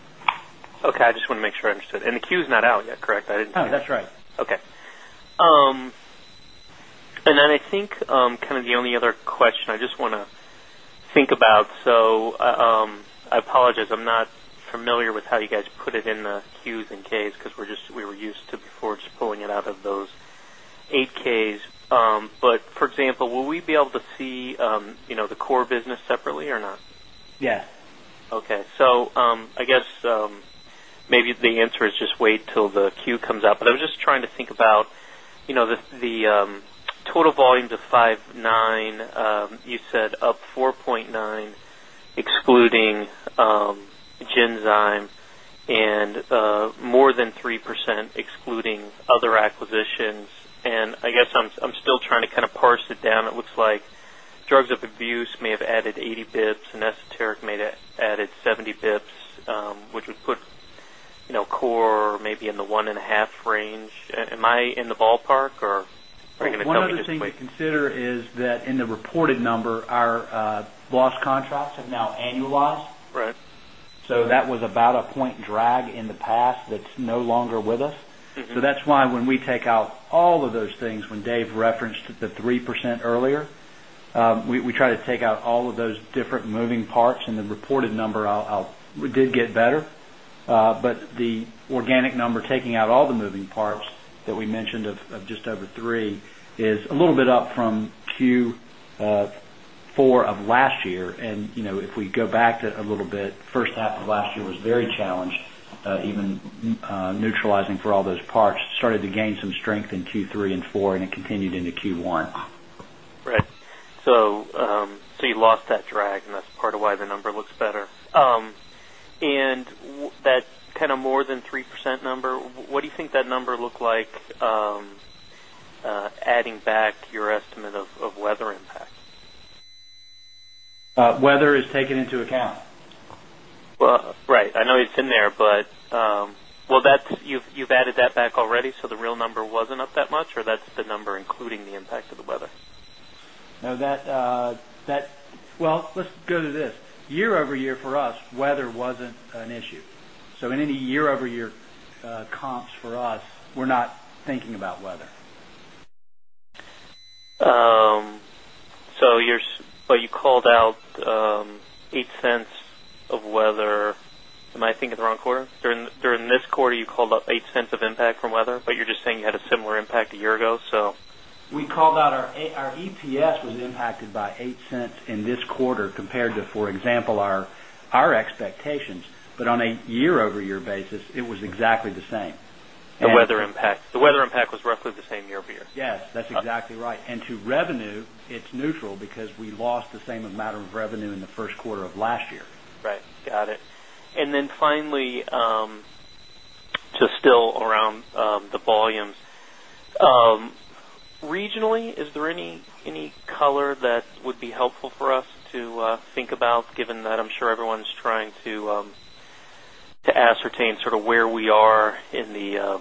Okay. I just wanted to make sure I understood. The Q is not out yet, correct? I did not hear.
Oh, that's right.
Okay. I think kind of the only other question I just want to think about. I apologize. I'm not familiar with how you guys put it in the Qs and Ks because we were used to before just pulling it out of those 8-Ks. For example, will we be able to see the core business separately or not?
Yes.
Okay. I guess maybe the answer is just wait till the Q comes out. I was just trying to think about the total volume to 5.9, you said up 4.9 excluding Genzyme and more than 3% excluding other acquisitions. I guess I'm still trying to kind of parse it down. It looks like drugs of abuse may have added 80 basis points, and esoteric may have added 70 basis points, which would put core maybe in the one and a half range. Am I in the ballpark, or are you going to tell me just wait?
Well, what I'm just going to consider is that in the reported number, our lost contracts have now annualized. So that was about a point drag in the past that's no longer with us. So that's why when we take out all of those things, when Dave referenced the 3% earlier, we try to take out all of those different moving parts. And the reported number did get better. But the organic number, taking out all the moving parts that we mentioned of just over three, is a little bit up from Q4 of last year. And if we go back a little bit, the first half of last year was very challenged, even neutralizing for all those parts. It started to gain some strength in Q3 and Q4, and it continued into Q1.
Right. So you lost that drag, and that's part of why the number looks better. And that kind of more than 3% number, what do you think that number looked like adding back your estimate of weather impact?
Weather is taken into account.
Right. I know it's in there, but well, you've added that back already, so the real number wasn't up that much, or that's the number including the impact of the weather?
No. Well, let's go to this. Year over year for us, weather wasn't an issue. So in any year over year comps for us, we're not thinking about weather.
So you called out 8 cents of weather. Am I thinking the wrong quarter? During this quarter, you called out 8 cents of impact from weather, but you're just saying you had a similar impact a year ago, so.
We called out our EPS was impacted by $0.08 in this quarter compared to, for example, our expectations. On a year over year basis, it was exactly the same.
The weather impact. The weather impact was roughly the same year over year.
Yes. That's exactly right. And to revenue, it's neutral because we lost the same amount of revenue in the first quarter of last year.
Right. Got it. And then finally, just still around the volumes, regionally, is there any color that would be helpful for us to think about given that I'm sure everyone's trying to ascertain sort of where we are in the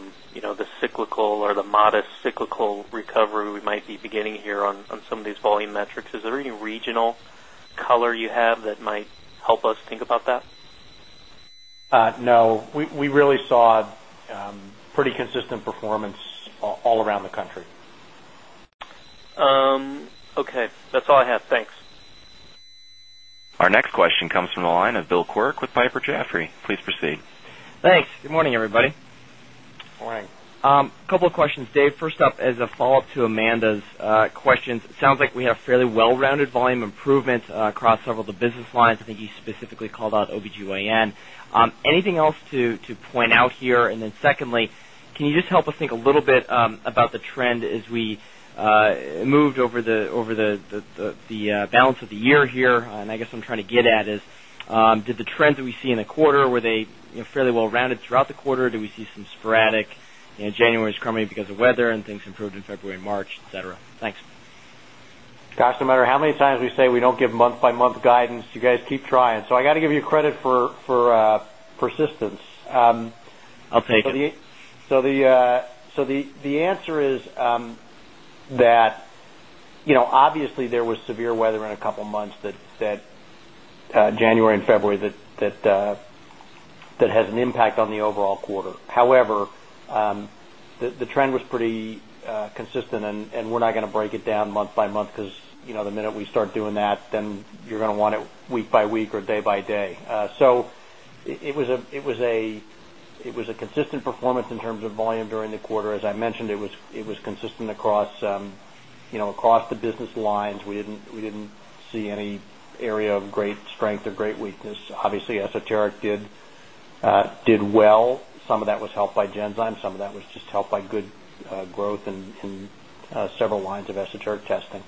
cyclical or the modest cyclical recovery we might be beginning here on some of these volume metrics? Is there any regional color you have that might help us think about that?
No. We really saw pretty consistent performance all around the country.
Okay. That's all I have. Thanks.
Our next question comes from the line of Bill Quirk with Piper Jaffrey. Please proceed.
Thanks. Good morning, everybody.
Morning.
A couple of questions, Dave. First up as a follow-up to Amanda's questions. It sounds like we have fairly well-rounded volume improvement across several of the business lines. I think you specifically called out OBGYN. Anything else to point out here? And then secondly, can you just help us think a little bit about the trend as we moved over the balance of the year here? And I guess what I'm trying to get at is, did the trends that we see in the quarter, were they fairly well-rounded throughout the quarter? Did we see some sporadic January's crumming because of weather and things improved in February and March, etc.? Thanks.
Gosh, no matter how many times we say we don't give month-by-month guidance, you guys keep trying. So I got to give you credit for persistence.
I'll take it.
So the answer is that obviously there was severe weather in a couple of months, January and February, that has an impact on the overall quarter. However, the trend was pretty consistent, and we're not going to break it down month-by-month because the minute we start doing that, then you're going to want it week by week or day by day. So it was a consistent performance in terms of volume during the quarter. As I mentioned, it was consistent across the business lines. We didn't see any area of great strength or great weakness. Obviously, esoteric did well. Some of that was helped by Genzyme. Some of that was just helped by good growth in several lines of esoteric testing.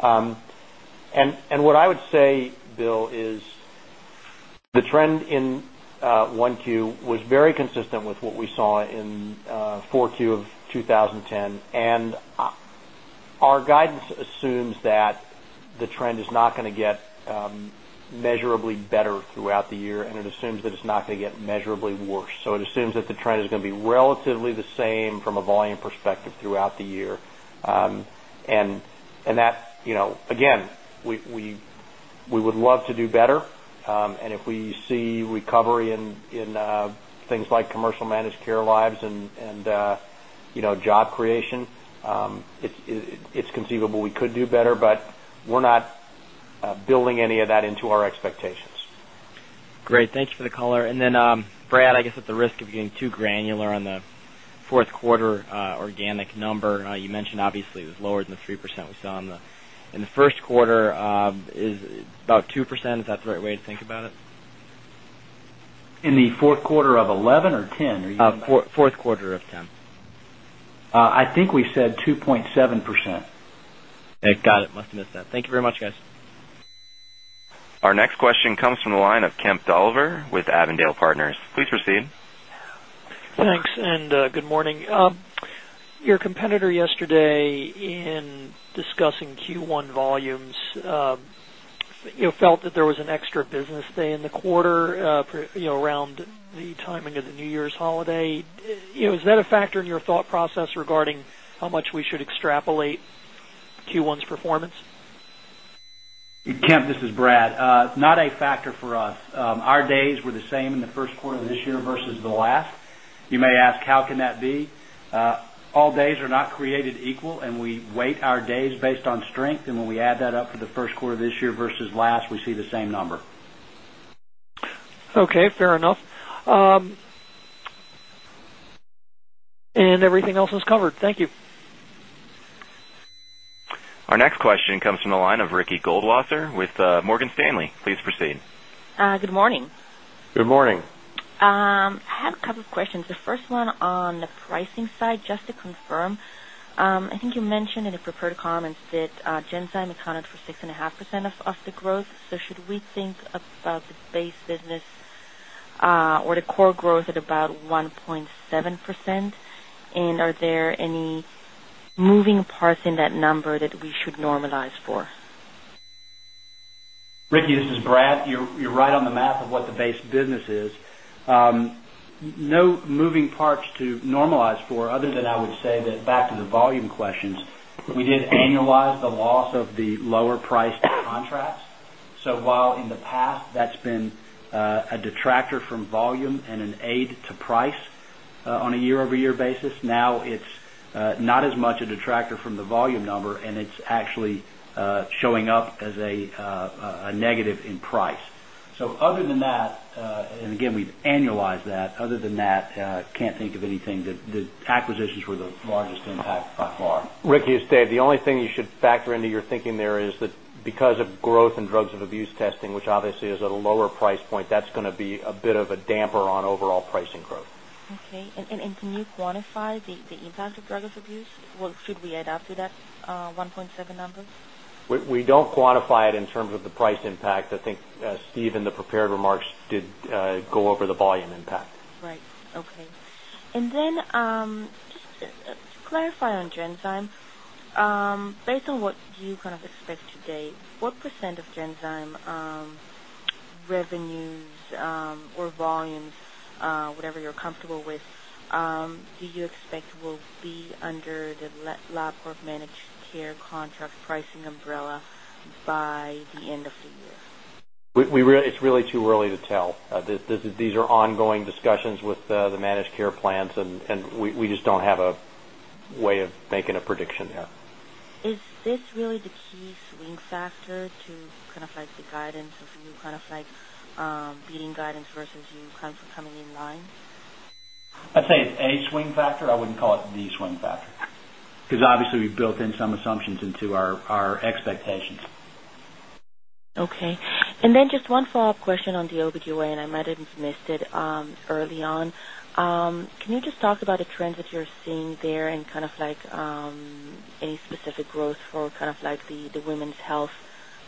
And what I would say, Bill, is the trend in 1Q was very consistent with what we saw in 4Q of 2010. And our guidance assumes that the trend is not going to get measurably better throughout the year, and it assumes that it's not going to get measurably worse. So it assumes that the trend is going to be relatively the same from a volume perspective throughout the year. And that, again, we would love to do better. And if we see recovery in things like commercial managed care lives and job creation, it's conceivable we could do better, but we're not building any of that into our expectations.
Great. Thank you for the caller. And then, Brad, I guess at the risk of getting too granular on the fourth quarter organic number, you mentioned obviously it was lower than the 3% we saw in the first quarter. Is about 2%, is that the right way to think about it?
In the fourth quarter of 11 or 10? Are you?
Fourth quarter of 10.
I think we said 2.7%.
Got it. Must have missed that. Thank you very much, guys.
Our next question comes from the line of Kemp Dolliver with Avondale Partners. Please proceed.
Thanks. Good morning. Your competitor yesterday in discussing Q1 volumes felt that there was an extra business day in the quarter around the timing of the New Year's holiday. Is that a factor in your thought process regarding how much we should extrapolate Q1's performance?
Kemp, this is Brad. Not a factor for us. Our days were the same in the first quarter of this year versus the last. You may ask, how can that be? All days are not created equal, and we weight our days based on strength. When we add that up for the first quarter of this year versus last, we see the same number.
Okay. Fair enough. And everything else is covered. Thank you.
Our next question comes from the line of Ricky Goldwasser with Morgan Stanley. Please proceed.
Good morning.
Good morning.
I have a couple of questions. The first one on the pricing side, just to confirm, I think you mentioned in the prepared comments that Genzyme accounted for 6.5% of the growth. So should we think about the base business or the core growth at about 1.7%? And are there any moving parts in that number that we should normalize for?
Ricky, this is Brad. You're right on the math of what the base business is. No moving parts to normalize for other than I would say that back to the volume questions, we did annualize the loss of the lower-priced contracts. So while in the past that's been a detractor from volume and an aid to price on a year over year basis, now it's not as much a detractor from the volume number, and it's actually showing up as a negative in price. So other than that, and again, we've annualized that. Other than that, can't think of anything. The acquisitions were the largest impact by far.
Ricky has stated the only thing you should factor into your thinking there is that because of growth in drugs of abuse testing, which obviously is at a lower price point, that's going to be a bit of a damper on overall pricing growth.
Okay. And can you quantify the impact of drugs of abuse? Should we add up to that 1.7 number?
We don't quantify it in terms of the price impact. I think Steve in the prepared remarks did go over the volume impact.
Right. Okay. And then just to clarify on Genzyme, based on what you kind of expect today, what percent of Genzyme revenues or volumes, whatever you're comfortable with, do you expect will be under the labcorp managed care contract pricing umbrella by the end of the year?
It's really too early to tell. These are ongoing discussions with the managed care plans, and we just don't have a way of making a prediction there.
Is this really the key swing factor to kind of the guidance of you kind of beating guidance versus you kind of coming in line?
I'd say it's a swing factor. I wouldn't call it the swing factor because obviously we've built in some assumptions into our expectations.
Okay. And then just one follow-up question on the OBGYN. I might have missed it early on. Can you just talk about the trends that you're seeing there and kind of any specific growth for kind of the women's health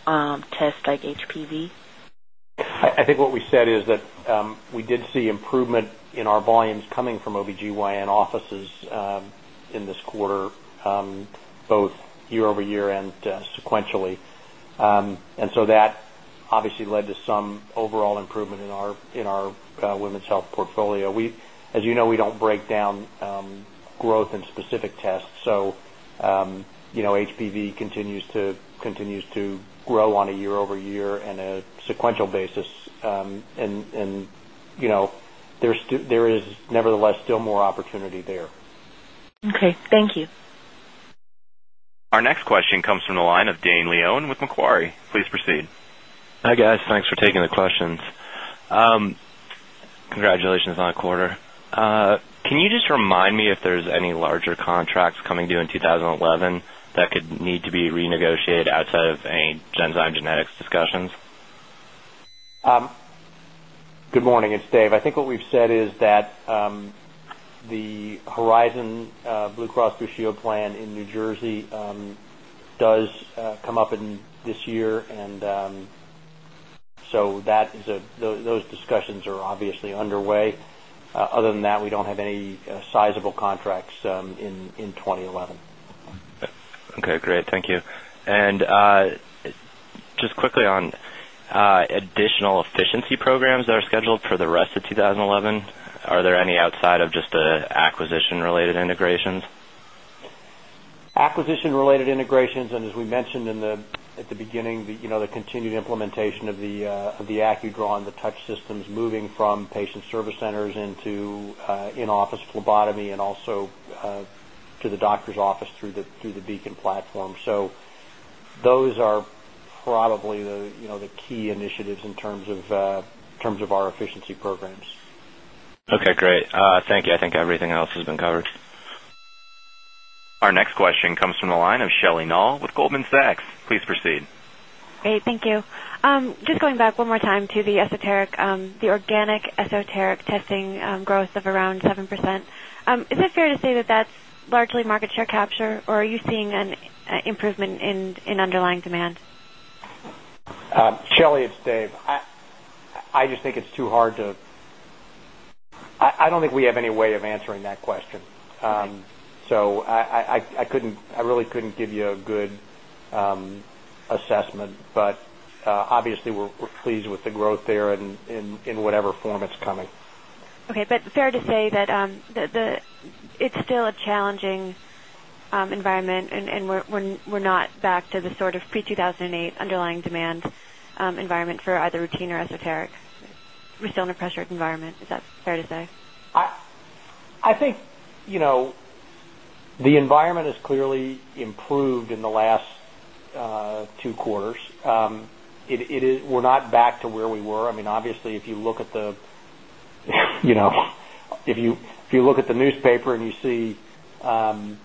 test like HPV?
I think what we said is that we did see improvement in our volumes coming from OBGYN offices in this quarter, both year over year and sequentially. And so that obviously led to some overall improvement in our women's health portfolio. As you know, we don't break down growth in specific tests. So HPV continues to grow on a year over year and a sequential basis. And there is nevertheless still more opportunity there.
Okay. Thank you.
Our next question comes from the line of Dane Leon with Macquarie. Please proceed.
Hi guys. Thanks for taking the questions. Congratulations on a quarter. Can you just remind me if there's any larger contracts coming due in 2011 that could need to be renegotiated outside of any Genzyme genetics discussions?
Good morning. It's Dave. I think what we've said is that the Horizon Blue Cross Blue Shield plan in New Jersey does come up this year. And so those discussions are obviously underway. Other than that, we don't have any sizable contracts in 2011.
Okay. Great. Thank you. Just quickly on additional efficiency programs that are scheduled for the rest of 2011, are there any outside of just the acquisition-related integrations?
Acquisition-related integrations. And as we mentioned at the beginning, the continued implementation of the AccuDrawn, the touch systems moving from patient service centers into in-office phlebotomy and also to the doctor's office through the Beacon platform. So those are probably the key initiatives in terms of our efficiency programs.
Okay. Great. Thank you. I think everything else has been covered.
Our next question comes from the line of Shelley Noll with Goldman Sachs. Please proceed.
Great. Thank you. Just going back one more time to the organic esoteric testing growth of around 7%. Is it fair to say that that's largely market share capture, or are you seeing an improvement in underlying demand?
Shelley, it's Dave. I just think it's too hard to—I don't think we have any way of answering that question. So I really couldn't give you a good assessment, but obviously we're pleased with the growth there in whatever form it's coming.
Okay. But fair to say that it's still a challenging environment, and we're not back to the sort of pre-2008 underlying demand environment for either routine or esoteric. We're still in a pressured environment. Is that fair to say?
I think the environment has clearly improved in the last two quarters. We're not back to where we were. I mean, obviously, if you look at the—if you look at the newspaper and you see the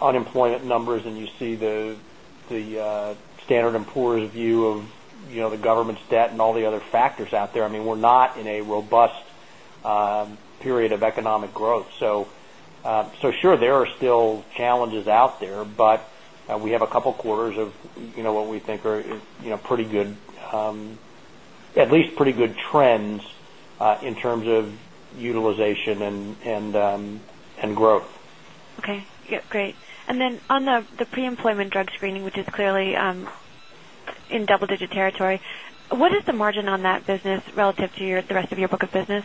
unemployment numbers and you see the standard employer's view of the government stat and all the other factors out there, I mean, we're not in a robust period of economic growth. So sure, there are still challenges out there, but we have a couple of quarters of what we think are pretty good, at least pretty good trends in terms of utilization and growth.
Okay. Great. And then on the pre-employment drug screening, which is clearly in double-digit territory, what is the margin on that business relative to the rest of your book of business?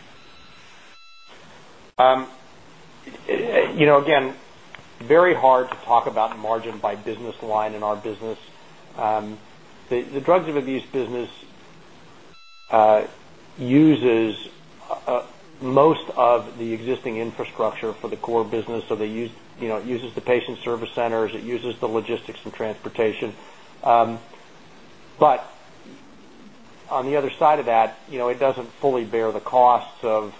Again, very hard to talk about margin by business line in our business. The drugs of abuse business uses most of the existing infrastructure for the core business. So it uses the patient service centers. It uses the logistics and transportation. But on the other side of that, it doesn't fully bear the costs of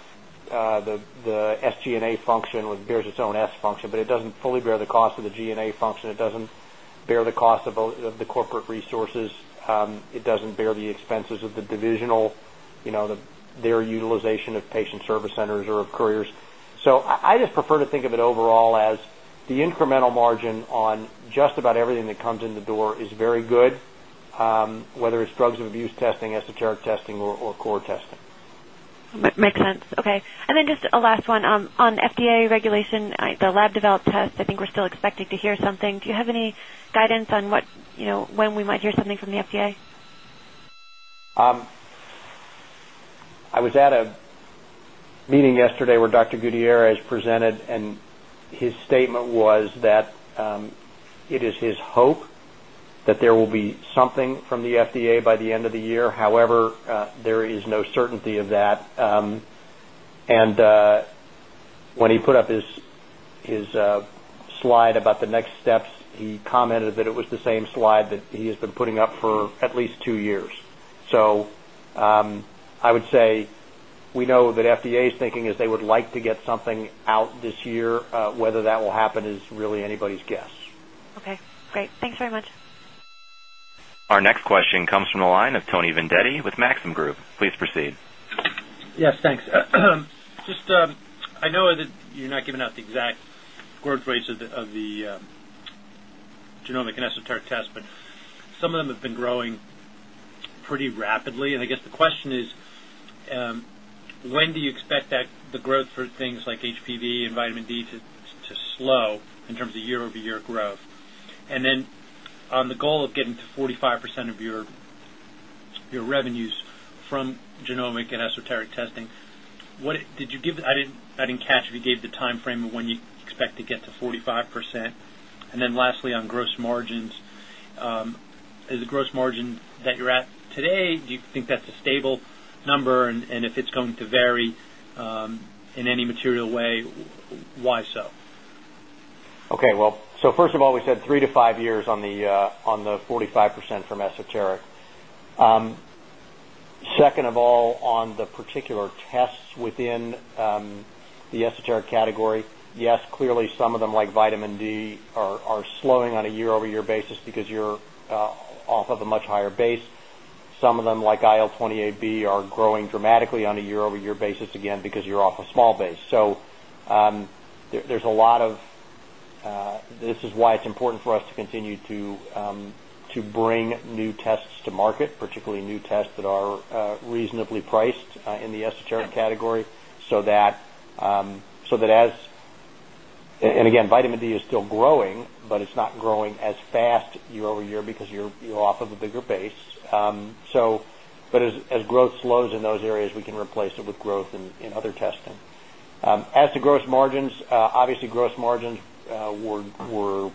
the SG&A function with Bears Its Own S function, but it doesn't fully bear the cost of the SG&A function. It doesn't bear the cost of the corporate resources. It doesn't bear the expenses of the divisional, their utilization of patient service centers or of careers. So I just prefer to think of it overall as the incremental margin on just about everything that comes in the door is very good, whether it's drugs of abuse testing, esoteric testing, or core testing.
Makes sense. Okay. And then just a last one on FDA regulation, the lab developed test. I think we're still expecting to hear something. Do you have any guidance on when we might hear something from the FDA?
I was at a meeting yesterday where Dr. Gutierrez presented, and his statement was that it is his hope that there will be something from the FDA by the end of the year. However, there is no certainty of that. And when he put up his slide about the next steps, he commented that it was the same slide that he has been putting up for at least two years. So I would say we know that FDA's thinking is they would like to get something out this year. Whether that will happen is really anybody's guess.
Okay. Great. Thanks very much.
Our next question comes from the line of Tony Vendetti with Maxim Group. Please proceed.
Yes. Thanks. Just I know that you're not giving out the exact words of the genomic and esoteric test, but some of them have been growing pretty rapidly. And I guess the question is, when do you expect the growth for things like HPV and vitamin D to slow in terms of year over year growth? And then on the goal of getting to 45% of your revenues from genomic and esoteric testing, did you give, I didn't catch if you gave the timeframe of when you expect to get to 45%. And then lastly, on gross margins, is the gross margin that you're at today, do you think that's a stable number? And if it's going to vary in any material way, why so?
Okay. Well, so first of all, we said three to five years on the 45% from esoteric. Second of all, on the particular tests within the esoteric category, yes, clearly some of them like vitamin D are slowing on a year over year basis because you're off of a much higher base. Some of them like IL-28B are growing dramatically on a year over year basis again because you're off a small base. So there's a lot of—this is why it's important for us to continue to bring new tests to market, particularly new tests that are reasonably priced in the esoteric category so that—and again, vitamin D is still growing, but it's not growing as fast year over year because you're off of a bigger base. But as growth slows in those areas, we can replace it with growth in other testing. As to gross margins, obviously gross margins were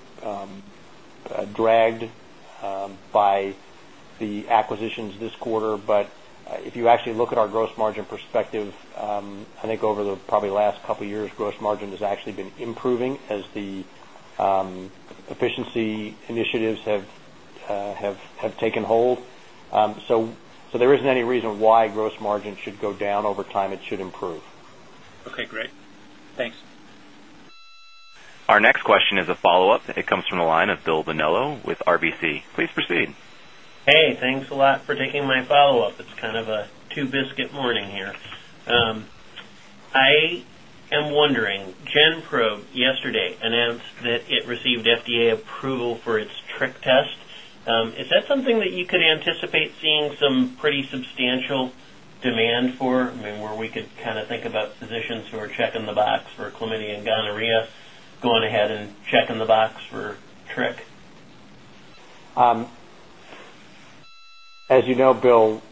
dragged by the acquisitions this quarter. But if you actually look at our gross margin perspective, I think over the probably last couple of years, gross margin has actually been improving as the efficiency initiatives have taken hold. So there isn't any reason why gross margin should go down over time. It should improve.
Okay. Great. Thanks.
Our next question is a follow-up. It comes from the line of Glenn Novarro. Please proceed.
Hey. Thanks a lot for taking my follow-up. It's kind of a two-biscuit morning here. I am wondering, GenPro yesterday announced that it received FDA approval for its TRIC test. Is that something that you could anticipate seeing some pretty substantial demand for? I mean, where we could kind of think about physicians who are checking the box for chlamydia and gonorrhea going ahead and checking the box for TRIC?
As you know, Glenn,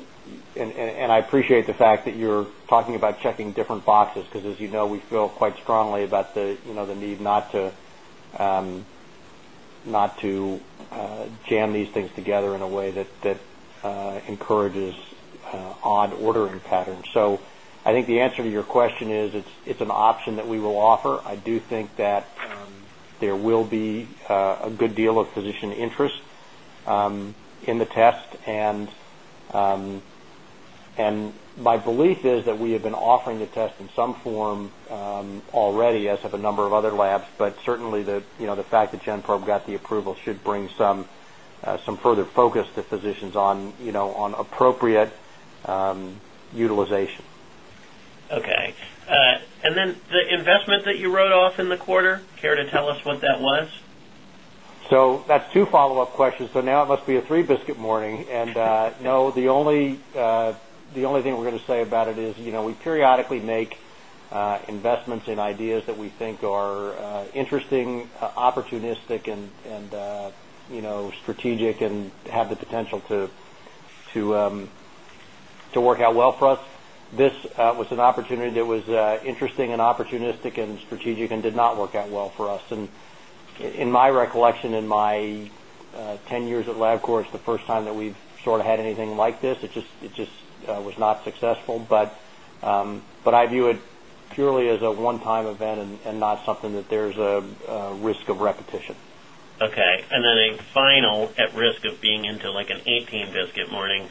and I appreciate the fact that you're talking about checking different boxes because, as you know, we feel quite strongly about the need not to jam these things together in a way that encourages odd ordering patterns. So I think the answer to your question is it's an option that we will offer. I do think that there will be a good deal of physician interest in the test. And my belief is that we have been offering the test in some form already, as have a number of other labs. But certainly, the fact that GenPro got the approval should bring some further focus to physicians on appropriate utilization.
Okay. And then the investment that you wrote off in the quarter, care to tell us what that was?
So that's two follow-up questions. So now it must be a three-biscuit morning. And no, the only thing we're going to say about it is we periodically make investments in ideas that we think are interesting, opportunistic, and strategic, and have the potential to work out well for us. This was an opportunity that was interesting and opportunistic and strategic and did not work out well for us. And in my recollection, in my 10 years at LabCorp, it's the first time that we've sort of had anything like this. It just was not successful. But I view it purely as a one-time event and not something that there's a risk of repetition.
Okay. And then a final at risk of being into an 18-biscuit morning,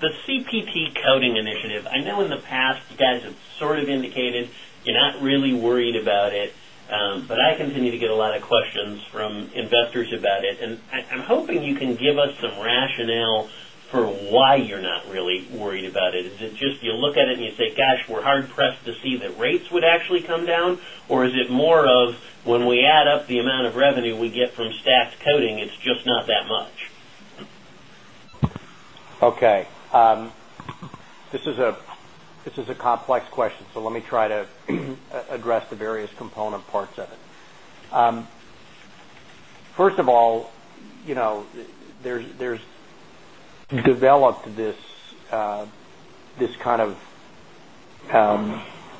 the CPT coding initiative. I know in the past you guys have sort of indicated you're not really worried about it, but I continue to get a lot of questions from investors about it. And I'm hoping you can give us some rationale for why you're not really worried about it. Is it just you look at it and you say, "Gosh, we're hard-pressed to see that rates would actually come down," or is it more of, "When we add up the amount of revenue we get from stacked coding, it's just not that much"?
Okay. This is a complex question, so let me try to address the various component parts of it. First of all, there's developed this kind of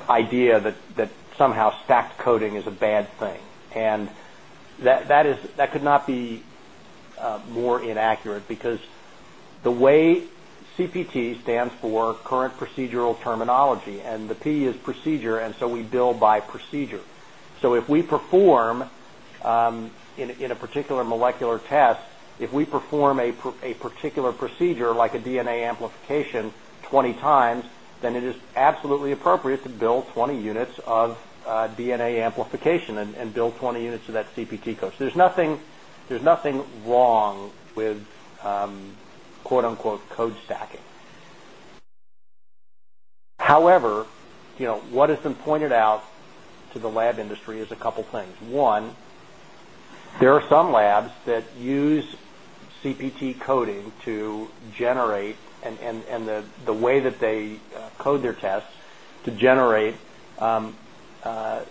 idea that somehow stacked coding is a bad thing. And that could not be more inaccurate because the way CPT stands for Current Procedural Terminology, and the P is procedure, and so we bill by procedure. So if we perform in a particular molecular test, if we perform a particular procedure like a DNA amplification 20 times, then it is absolutely appropriate to bill 20 units of DNA amplification and bill 20 units of that CPT code. So there's nothing wrong with "code stacking." However, what has been pointed out to the lab industry is a couple of things. One, there are some labs that use CPT coding to generate, and the way that they code their tests to generate higher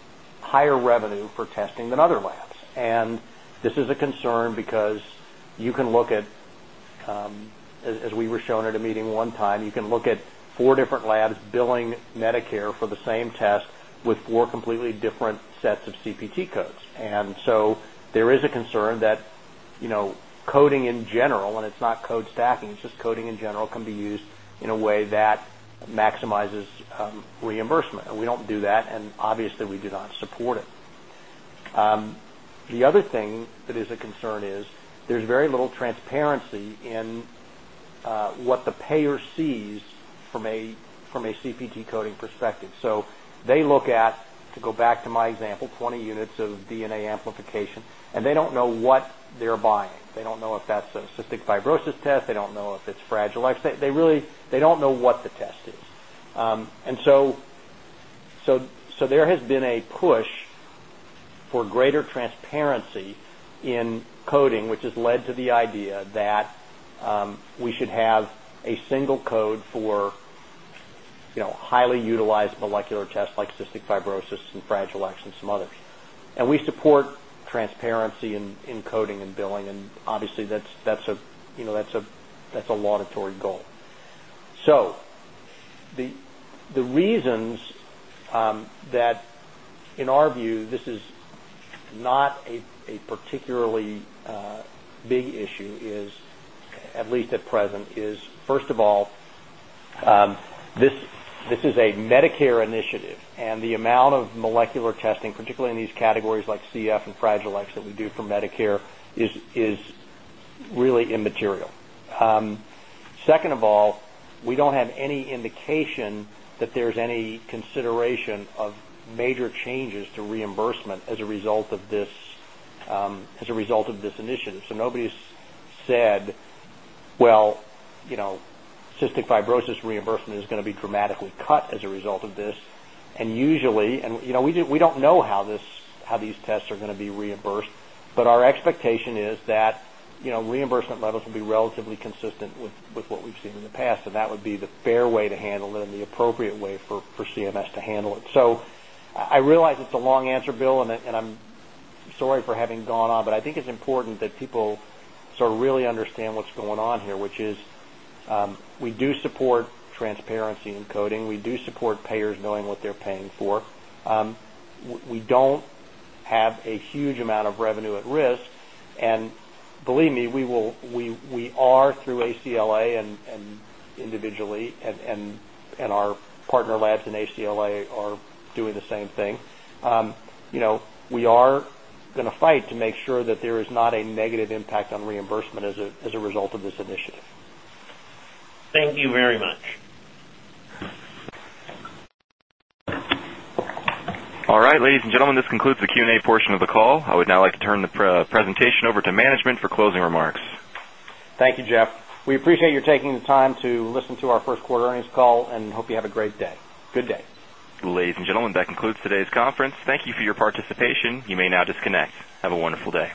revenue for testing than other labs. And this is a concern because you can look at, as we were shown at a meeting one time, you can look at four different labs billing Medicare for the same test with four completely different sets of CPT codes. And so there is a concern that coding in general, and it's not code stacking, it's just coding in general, can be used in a way that maximizes reimbursement. And we don't do that, and obviously we do not support it. The other thing that is a concern is there's very little transparency in what the payer sees from a CPT coding perspective. So they look at, to go back to my example, 20 units of DNA amplification, and they don't know what they're buying. They don't know if that's a cystic fibrosis test. They don't know if it's Fragile X. They don't know what the test is. And so there has been a push for greater transparency in coding, which has led to the idea that we should have a single code for highly utilized molecular tests like cystic fibrosis and Fragile X and some others. And we support transparency in coding and billing, and obviously that's a laudatory goal. So the reasons that, in our view, this is not a particularly big issue, at least at present, is first of all, this is a Medicare initiative, and the amount of molecular testing, particularly in these categories like CF and Fragile X that we do for Medicare, is really immaterial. Second of all, we do not have any indication that there is any consideration of major changes to reimbursement as a result of this initiative. Nobody has said, "Well, cystic fibrosis reimbursement is going to be dramatically cut as a result of this." Usually, we do not know how these tests are going to be reimbursed, but our expectation is that reimbursement levels will be relatively consistent with what we have seen in the past, and that would be the fair way to handle it and the appropriate way for CMS to handle it. I realize it is a long answer, Bill, and I am sorry for having gone on, but I think it is important that people sort of really understand what is going on here, which is we do support transparency in coding. We do support payers knowing what they are paying for. We don't have a huge amount of revenue at risk, and believe me, we are through ACLA and individually, and our partner labs in ACLA are doing the same thing. We are going to fight to make sure that there is not a negative impact on reimbursement as a result of this initiative.
Thank you very much.
All right. Ladies and gentlemen, this concludes the Q and A portion of the call. I would now like to turn the presentation over to management for closing remarks.
Thank you, Jeff. We appreciate your taking the time to listen to our first quarter earnings call and hope you have a great day. Good day.
Ladies and gentlemen, that concludes today's conference. Thank you for your participation. You may now disconnect. Have a wonderful day.